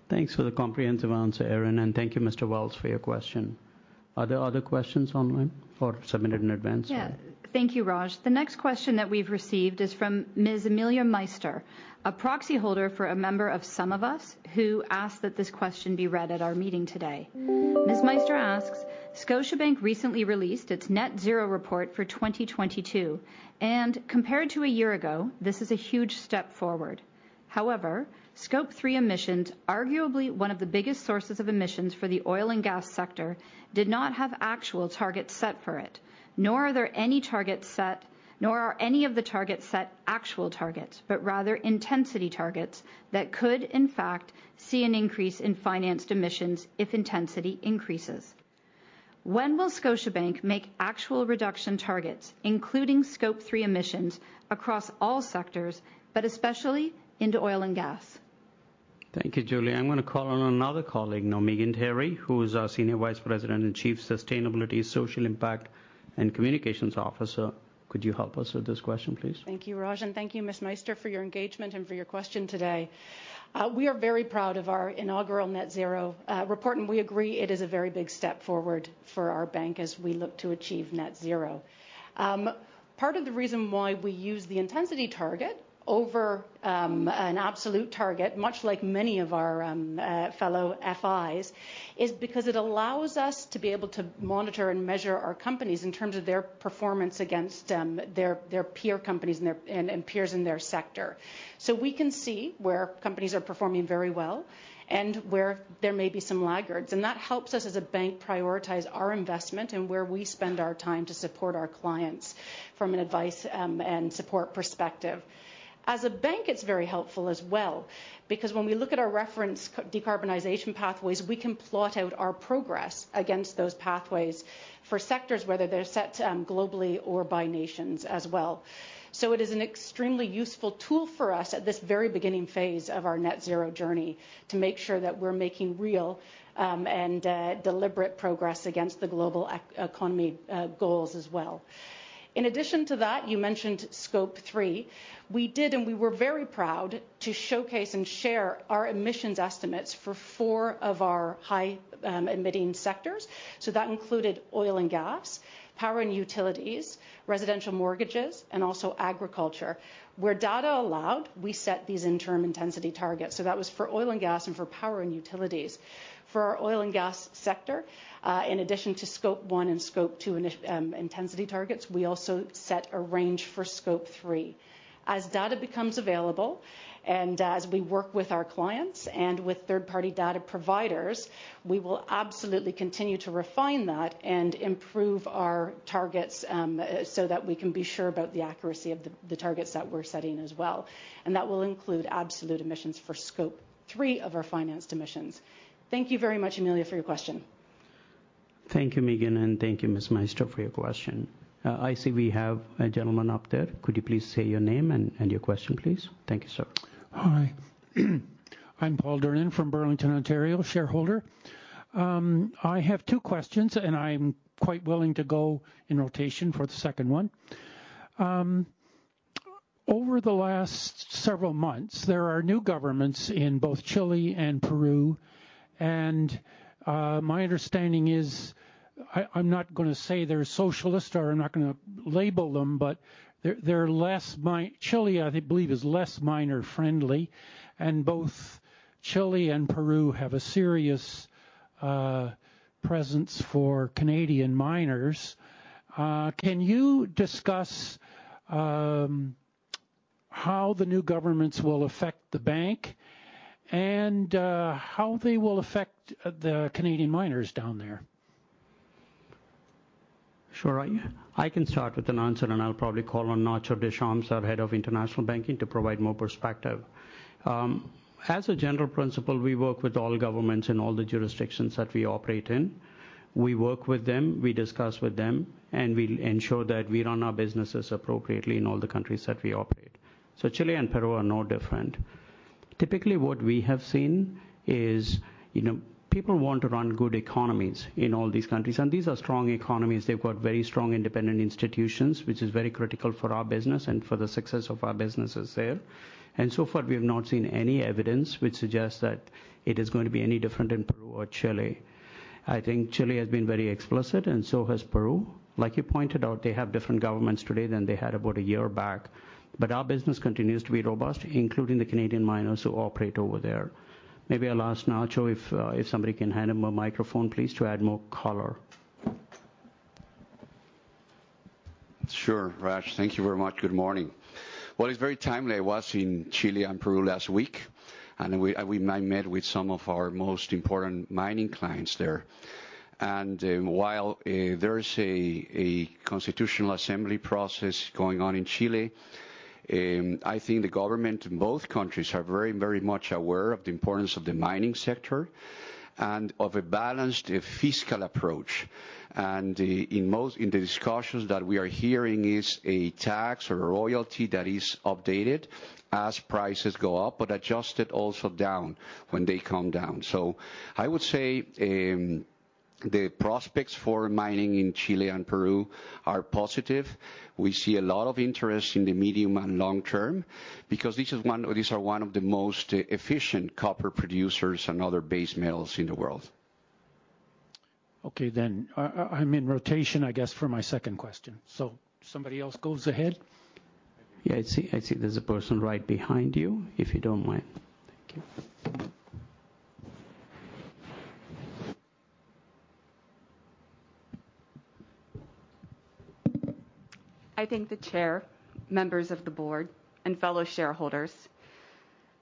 C: Thanks for the comprehensive answer, Erin, and thank you Mr. Wells for your question. Are there other questions online or submitted in advance?
A: Yeah. Thank you, Raj. The next question that we've received is from Ms. Amelia Meister, a proxy holder for a member of SumOfUs, who asked that this question be read at our meeting today. Ms. Meister asks, "Scotiabank recently released its net-zero report for 2022, and compared to a year ago, this is a huge step forward. However, Scope 3 emissions, arguably one of the biggest sources of emissions for the oil and gas sector, did not have actual targets set for it, nor are there any targets set, nor are any of the targets set actual targets, but rather intensity targets that could in fact see an increase in financed emissions if intensity increases. When will Scotiabank make actual reduction targets, including Scope 3 emissions across all sectors, but especially into oil and gas?"
C: Thank you, Julie. I'm gonna call on another colleague now, Meigan Terry, who is our Senior Vice President and Chief Sustainability, Social Impact and Communications Officer. Could you help us with this question, please?
J: Thank you, Raj, and thank you Ms. Meister for your engagement and for your question today. We are very proud of our inaugural net-zero report, and we agree it is a very big step forward for our bank as we look to achieve net-zero. Part of the reason why we use the intensity target over an absolute target, much like many of our fellow FIs, is because it allows us to be able to monitor and measure our companies in terms of their performance against their peer companies and peers in their sector. We can see where companies are performing very well and where there may be some laggards. That helps us as a bank prioritize our investment and where we spend our time to support our clients from an advice and support perspective. As a bank, it's very helpful as well because when we look at our reference decarbonization pathways, we can plot out our progress against those pathways for sectors, whether they're set, globally or by nations as well. It is an extremely useful tool for us at this very beginning phase of our net-zero journey to make sure that we're making real and deliberate progress against the global economy goals as well. In addition to that, you mentioned Scope 3. We did, and we were very proud to showcase and share our emissions estimates for four of our high emitting sectors. That included oil and gas, power and utilities. Residential mortgages and also agriculture. Where data allowed, we set these interim intensity targets. That was for oil and gas and for power and utilities. For our oil and gas sector, in addition to Scope 1 and Scope 2 intensity targets, we also set a range for Scope 3. As data becomes available, and as we work with our clients and with third-party data providers, we will absolutely continue to refine that and improve our targets, so that we can be sure about the accuracy of the targets that we're setting as well. That will include absolute emissions for Scope 3 of our financed emissions. Thank you very much, Amelia, for your question.
C: Thank you, Meigan, and thank you, Ms. Meister, for your question. I see we have a gentleman up there. Could you please say your name and your question, please? Thank you, sir.
K: Hi. I'm Paul Durin from Burlington, Ontario, shareholder. I have two questions, and I'm quite willing to go in rotation for the second one. Over the last several months, there are new governments in both Chile and Peru, and my understanding is, I'm not gonna say they're socialist or I'm not gonna label them, but they're less miner-friendly. Chile, I think, is less miner-friendly, and both Chile and Peru have a serious presence for Canadian miners. Can you discuss how the new governments will affect the bank and how they will affect the Canadian miners down there?
C: Sure. I can start with an answer, and I'll probably call on Nacho Deschamps, our head of international banking, to provide more perspective. As a general principle, we work with all governments in all the jurisdictions that we operate in. We work with them, we discuss with them, and we ensure that we run our businesses appropriately in all the countries that we operate. Chile and Peru are no different. Typically, what we have seen is, you know, people want to run good economies in all these countries, and these are strong economies. They've got very strong independent institutions, which is very critical for our business and for the success of our businesses there. So far, we have not seen any evidence which suggests that it is going to be any different in Peru or Chile. I think Chile has been very explicit, and so has Peru. Like you pointed out, they have different governments today than they had about a year back. Our business continues to be robust, including the Canadian miners who operate over there. Maybe I'll ask Nacho if somebody can hand him a microphone, please, to add more color.
L: Sure, Raj. Thank you very much. Good morning. Well, it's very timely. I was in Chile and Peru last week, and I met with some of our most important mining clients there. While there is a constitutional assembly process going on in Chile, I think the government in both countries are very, very much aware of the importance of the mining sector and of a balanced fiscal approach. In the discussions that we are hearing is a tax or a royalty that is updated as prices go up, but adjusted also down when they come down. I would say the prospects for mining in Chile and Peru are positive. We see a lot of interest in the medium and long term, because these are one of the most efficient copper producers and other base metals in the world.
K: Okay, then I'm in rotation, I guess, for my second question. Somebody else goes ahead.
C: Yeah, I see there's a person right behind you, if you don't mind. Thank you.
M: I thank the Chair, members of the Board, and fellow shareholders.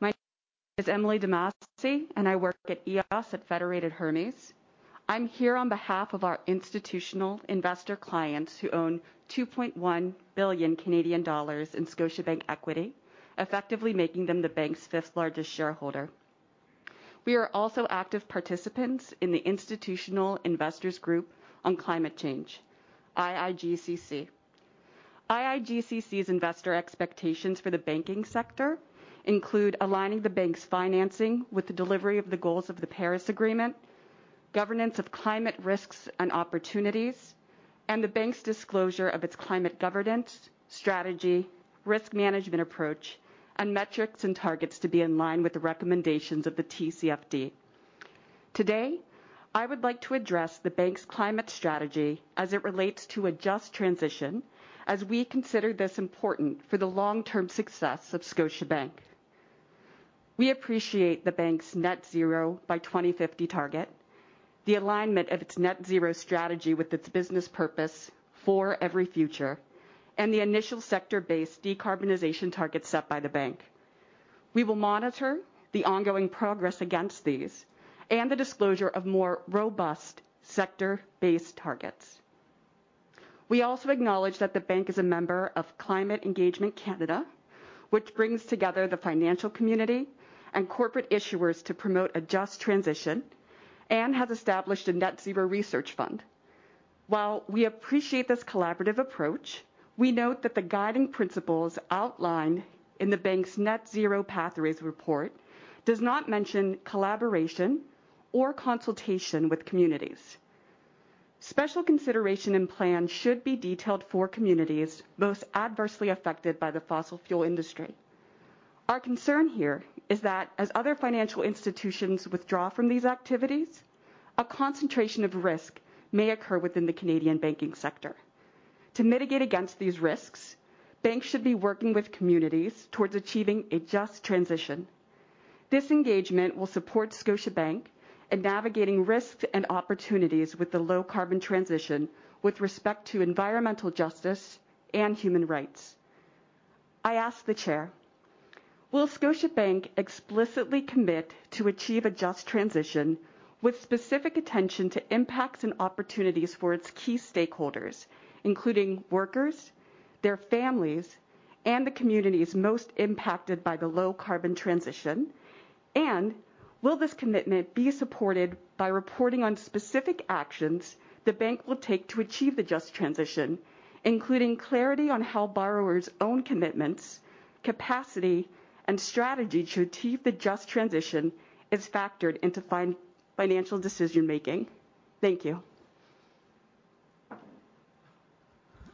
M: My name is Emily DeMasi, and I work at EOS at Federated Hermes. I'm here on behalf of our institutional investor clients who own 2.1 billion Canadian dollars in Scotiabank equity, effectively making them the bank's fifth-largest shareholder. We are also active participants in the Institutional Investors Group on Climate Change, IIGCC. IIGCC's investor expectations for the banking sector include aligning the bank's financing with the delivery of the goals of the Paris Agreement, governance of climate risks and opportunities, and the bank's disclosure of its climate governance, strategy, risk management approach, and metrics and targets to be in line with the recommendations of the TCFD. Today, I would like to address the bank's climate strategy as it relates to a just transition, as we consider this important for the long-term success of Scotiabank. We appreciate the bank's net-zero by 2050 target, the alignment of its net-zero strategy with its business purpose for every future, and the initial sector-based decarbonization targets set by the bank. We will monitor the ongoing progress against these and the disclosure of more robust sector-based targets. We also acknowledge that the bank is a member of Climate Engagement Canada, which brings together the financial community and corporate issuers to promote a just transition and has established a net-zero research fund. While we appreciate this collaborative approach, we note that the guiding principles outlined in the bank's Net-Zero Pathways Report does not mention collaboration or consultation with communities. Special consideration and plan should be detailed for communities most adversely affected by the fossil fuel industry. Our concern here is that as other financial institutions withdraw from these activities, a concentration of risk may occur within the Canadian banking sector. To mitigate against these risks, banks should be working with communities towards achieving a just transition. This engagement will support Scotiabank in navigating risks and opportunities with the low carbon transition with respect to environmental justice and human rights. I ask the chair, will Scotiabank explicitly commit to achieve a just transition with specific attention to impacts and opportunities for its key stakeholders, including workers, their families, and the communities most impacted by the low carbon transition? Will this commitment be supported by reporting on specific actions the bank will take to achieve the just transition, including clarity on how borrowers' own commitments, capacity, and strategy to achieve the just transition is factored into financial decision making? Thank you.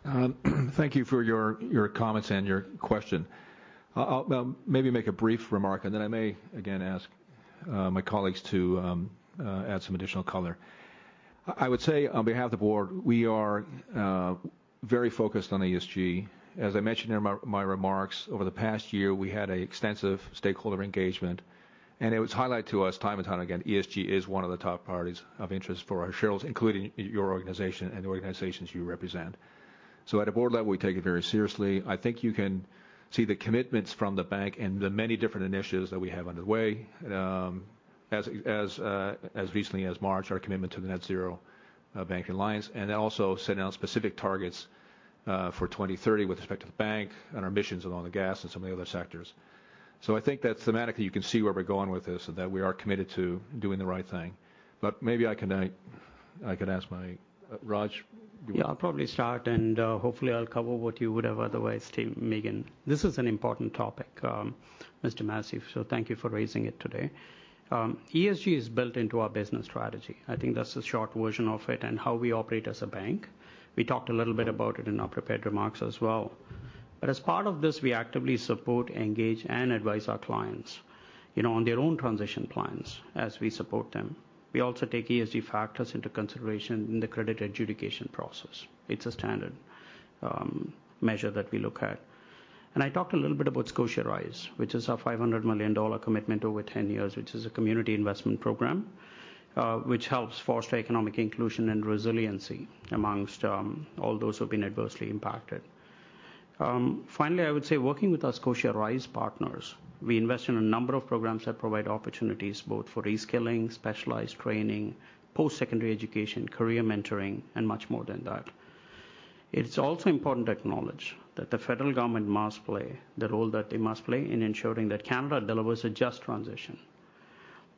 B: Thank you for your comments and your question. I'll maybe make a brief remark, and then I may again ask my colleagues to add some additional color. I would say on behalf of the board, we are very focused on ESG. As I mentioned in my remarks, over the past year, we had an extensive stakeholder engagement, and it was highlighted to us time and time again, ESG is one of the top priorities of interest for our shareholders, including your organization and the organizations you represent. At a board level, we take it very seriously. I think you can see the commitments from the bank and the many different initiatives that we have underway, as recently as March, our commitment to the Net-Zero Banking Alliance, and also set down specific targets for 2030 with respect to the bank and our emissions in oil and gas and some of the other sectors. I think that thematically you can see where we're going with this and that we are committed to doing the right thing. Maybe I could ask my... Raj.
C: Yeah. I'll probably start and hopefully I'll cover what you would have otherwise too, Meigan. This is an important topic, Ms. DeMasi, so thank you for raising it today. ESG is built into our business strategy. I think that's the short version of it and how we operate as a bank. We talked a little bit about it in our prepared remarks as well. As part of this, we actively support, engage, and advise our clients, you know, on their own transition plans as we support them. We also take ESG factors into consideration in the credit adjudication process. It's a standard measure that we look at. I talked a little bit about ScotiaRISE, which is our $500 million commitment over 10 years, which is a community investment program, which helps foster economic inclusion and resiliency among all those who've been adversely impacted. Finally, I would say working with our ScotiaRISE partners, we invest in a number of programs that provide opportunities both for reskilling, specialized training, post-secondary education, career mentoring, and much more than that. It's also important to acknowledge that the federal government must play the role that they must play in ensuring that Canada delivers a just transition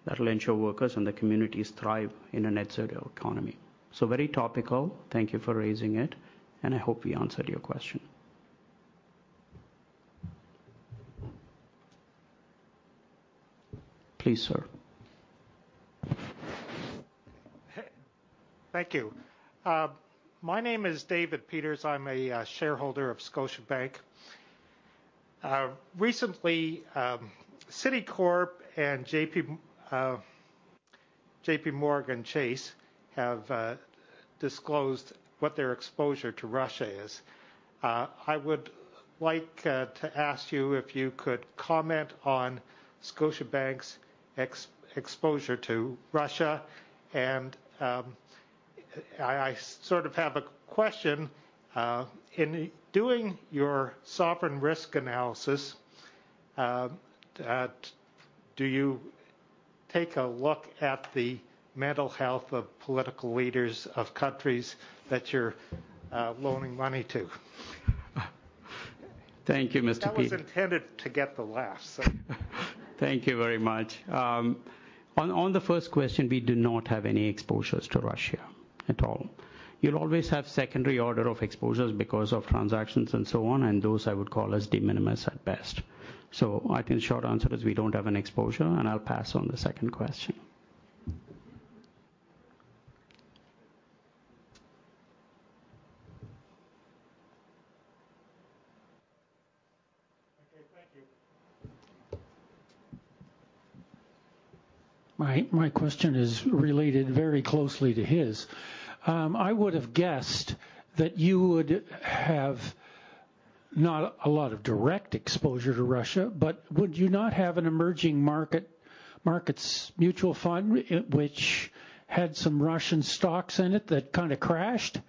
C: that will ensure workers and the communities thrive in a net-zero economy. Very topical. Thank you for raising it, and I hope we answered your question. Please, sir.
N: Thank you. My name is David Peters. I'm a shareholder of Scotiabank. Recently, Citigroup and JPMorgan Chase have disclosed what their exposure to Russia is. I would like to ask you if you could comment on Scotiabank's exposure to Russia and I sort of have a question. In doing your sovereign risk analysis, do you take a look at the mental health of political leaders of countries that you're loaning money to?
C: Thank you, Mr. Peter.
N: That was intended to get the laugh, so.
C: Thank you very much. On the first question, we do not have any exposures to Russia at all. You'll always have secondary order of exposures because of transactions and so on, and those I would call as de minimis at best. I think short answer is we don't have an exposure, and I'll pass on the second question.
N: Okay, thank you.
O: My question is related very closely to his. I would have guessed that you would have not a lot of direct exposure to Russia, but would you not have an emerging markets mutual fund which had some Russian stocks in it that kinda crashed?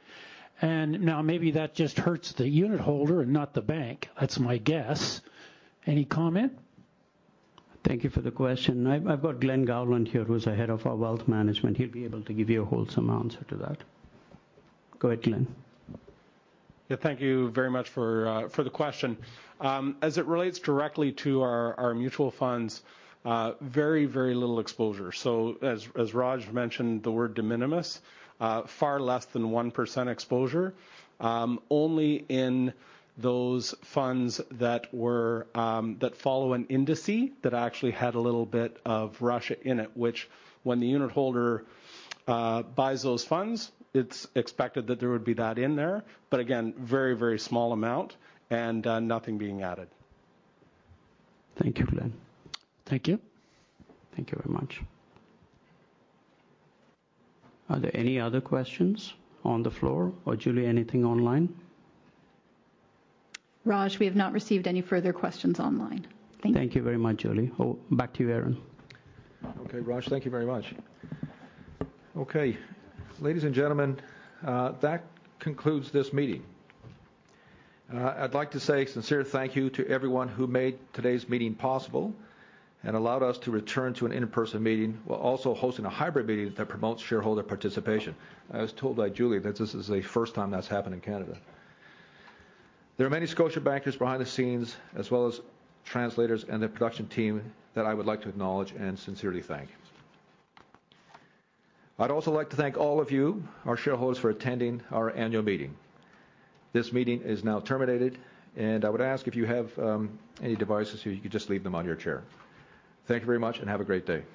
O: Now maybe that just hurts the unit holder and not the bank. That's my guess. Any comment?
C: Thank you for the question. I've got Glen Gowland here, who's the head of our wealth management. He'll be able to give you a whole answer to that. Go ahead, Glen.
P: Yeah. Thank you very much for the question. As it relates directly to our mutual funds, very little exposure. As Raj mentioned the word de minimis, far less than 1% exposure, only in those funds that follow an indices that actually had a little bit of Russia in it, which when the unit holder buys those funds, it's expected that there would be that in there. But again, very small amount and nothing being added.
C: Thank you, Glen.
O: Thank you.
C: Thank you very much. Are there any other questions on the floor or Julie, anything online?
A: Raj, we have not received any further questions online. Thank you.
C: Thank you very much, Julie. Oh, back to you, Aaron.
B: Okay. Raj, thank you very much. Okay. Ladies and gentlemen, that concludes this meeting. I'd like to say a sincere thank you to everyone who made today's meeting possible and allowed us to return to an in-person meeting while also hosting a hybrid meeting that promotes shareholder participation. I was told by Julie that this is the first time that's happened in Canada. There are many Scotia bankers behind the scenes, as well as translators and the production team that I would like to acknowledge and sincerely thank. I'd also like to thank all of you, our shareholders, for attending our annual meeting. This meeting is now terminated, and I would ask if you have any devices, you could just leave them on your chair. Thank you very much and have a great day.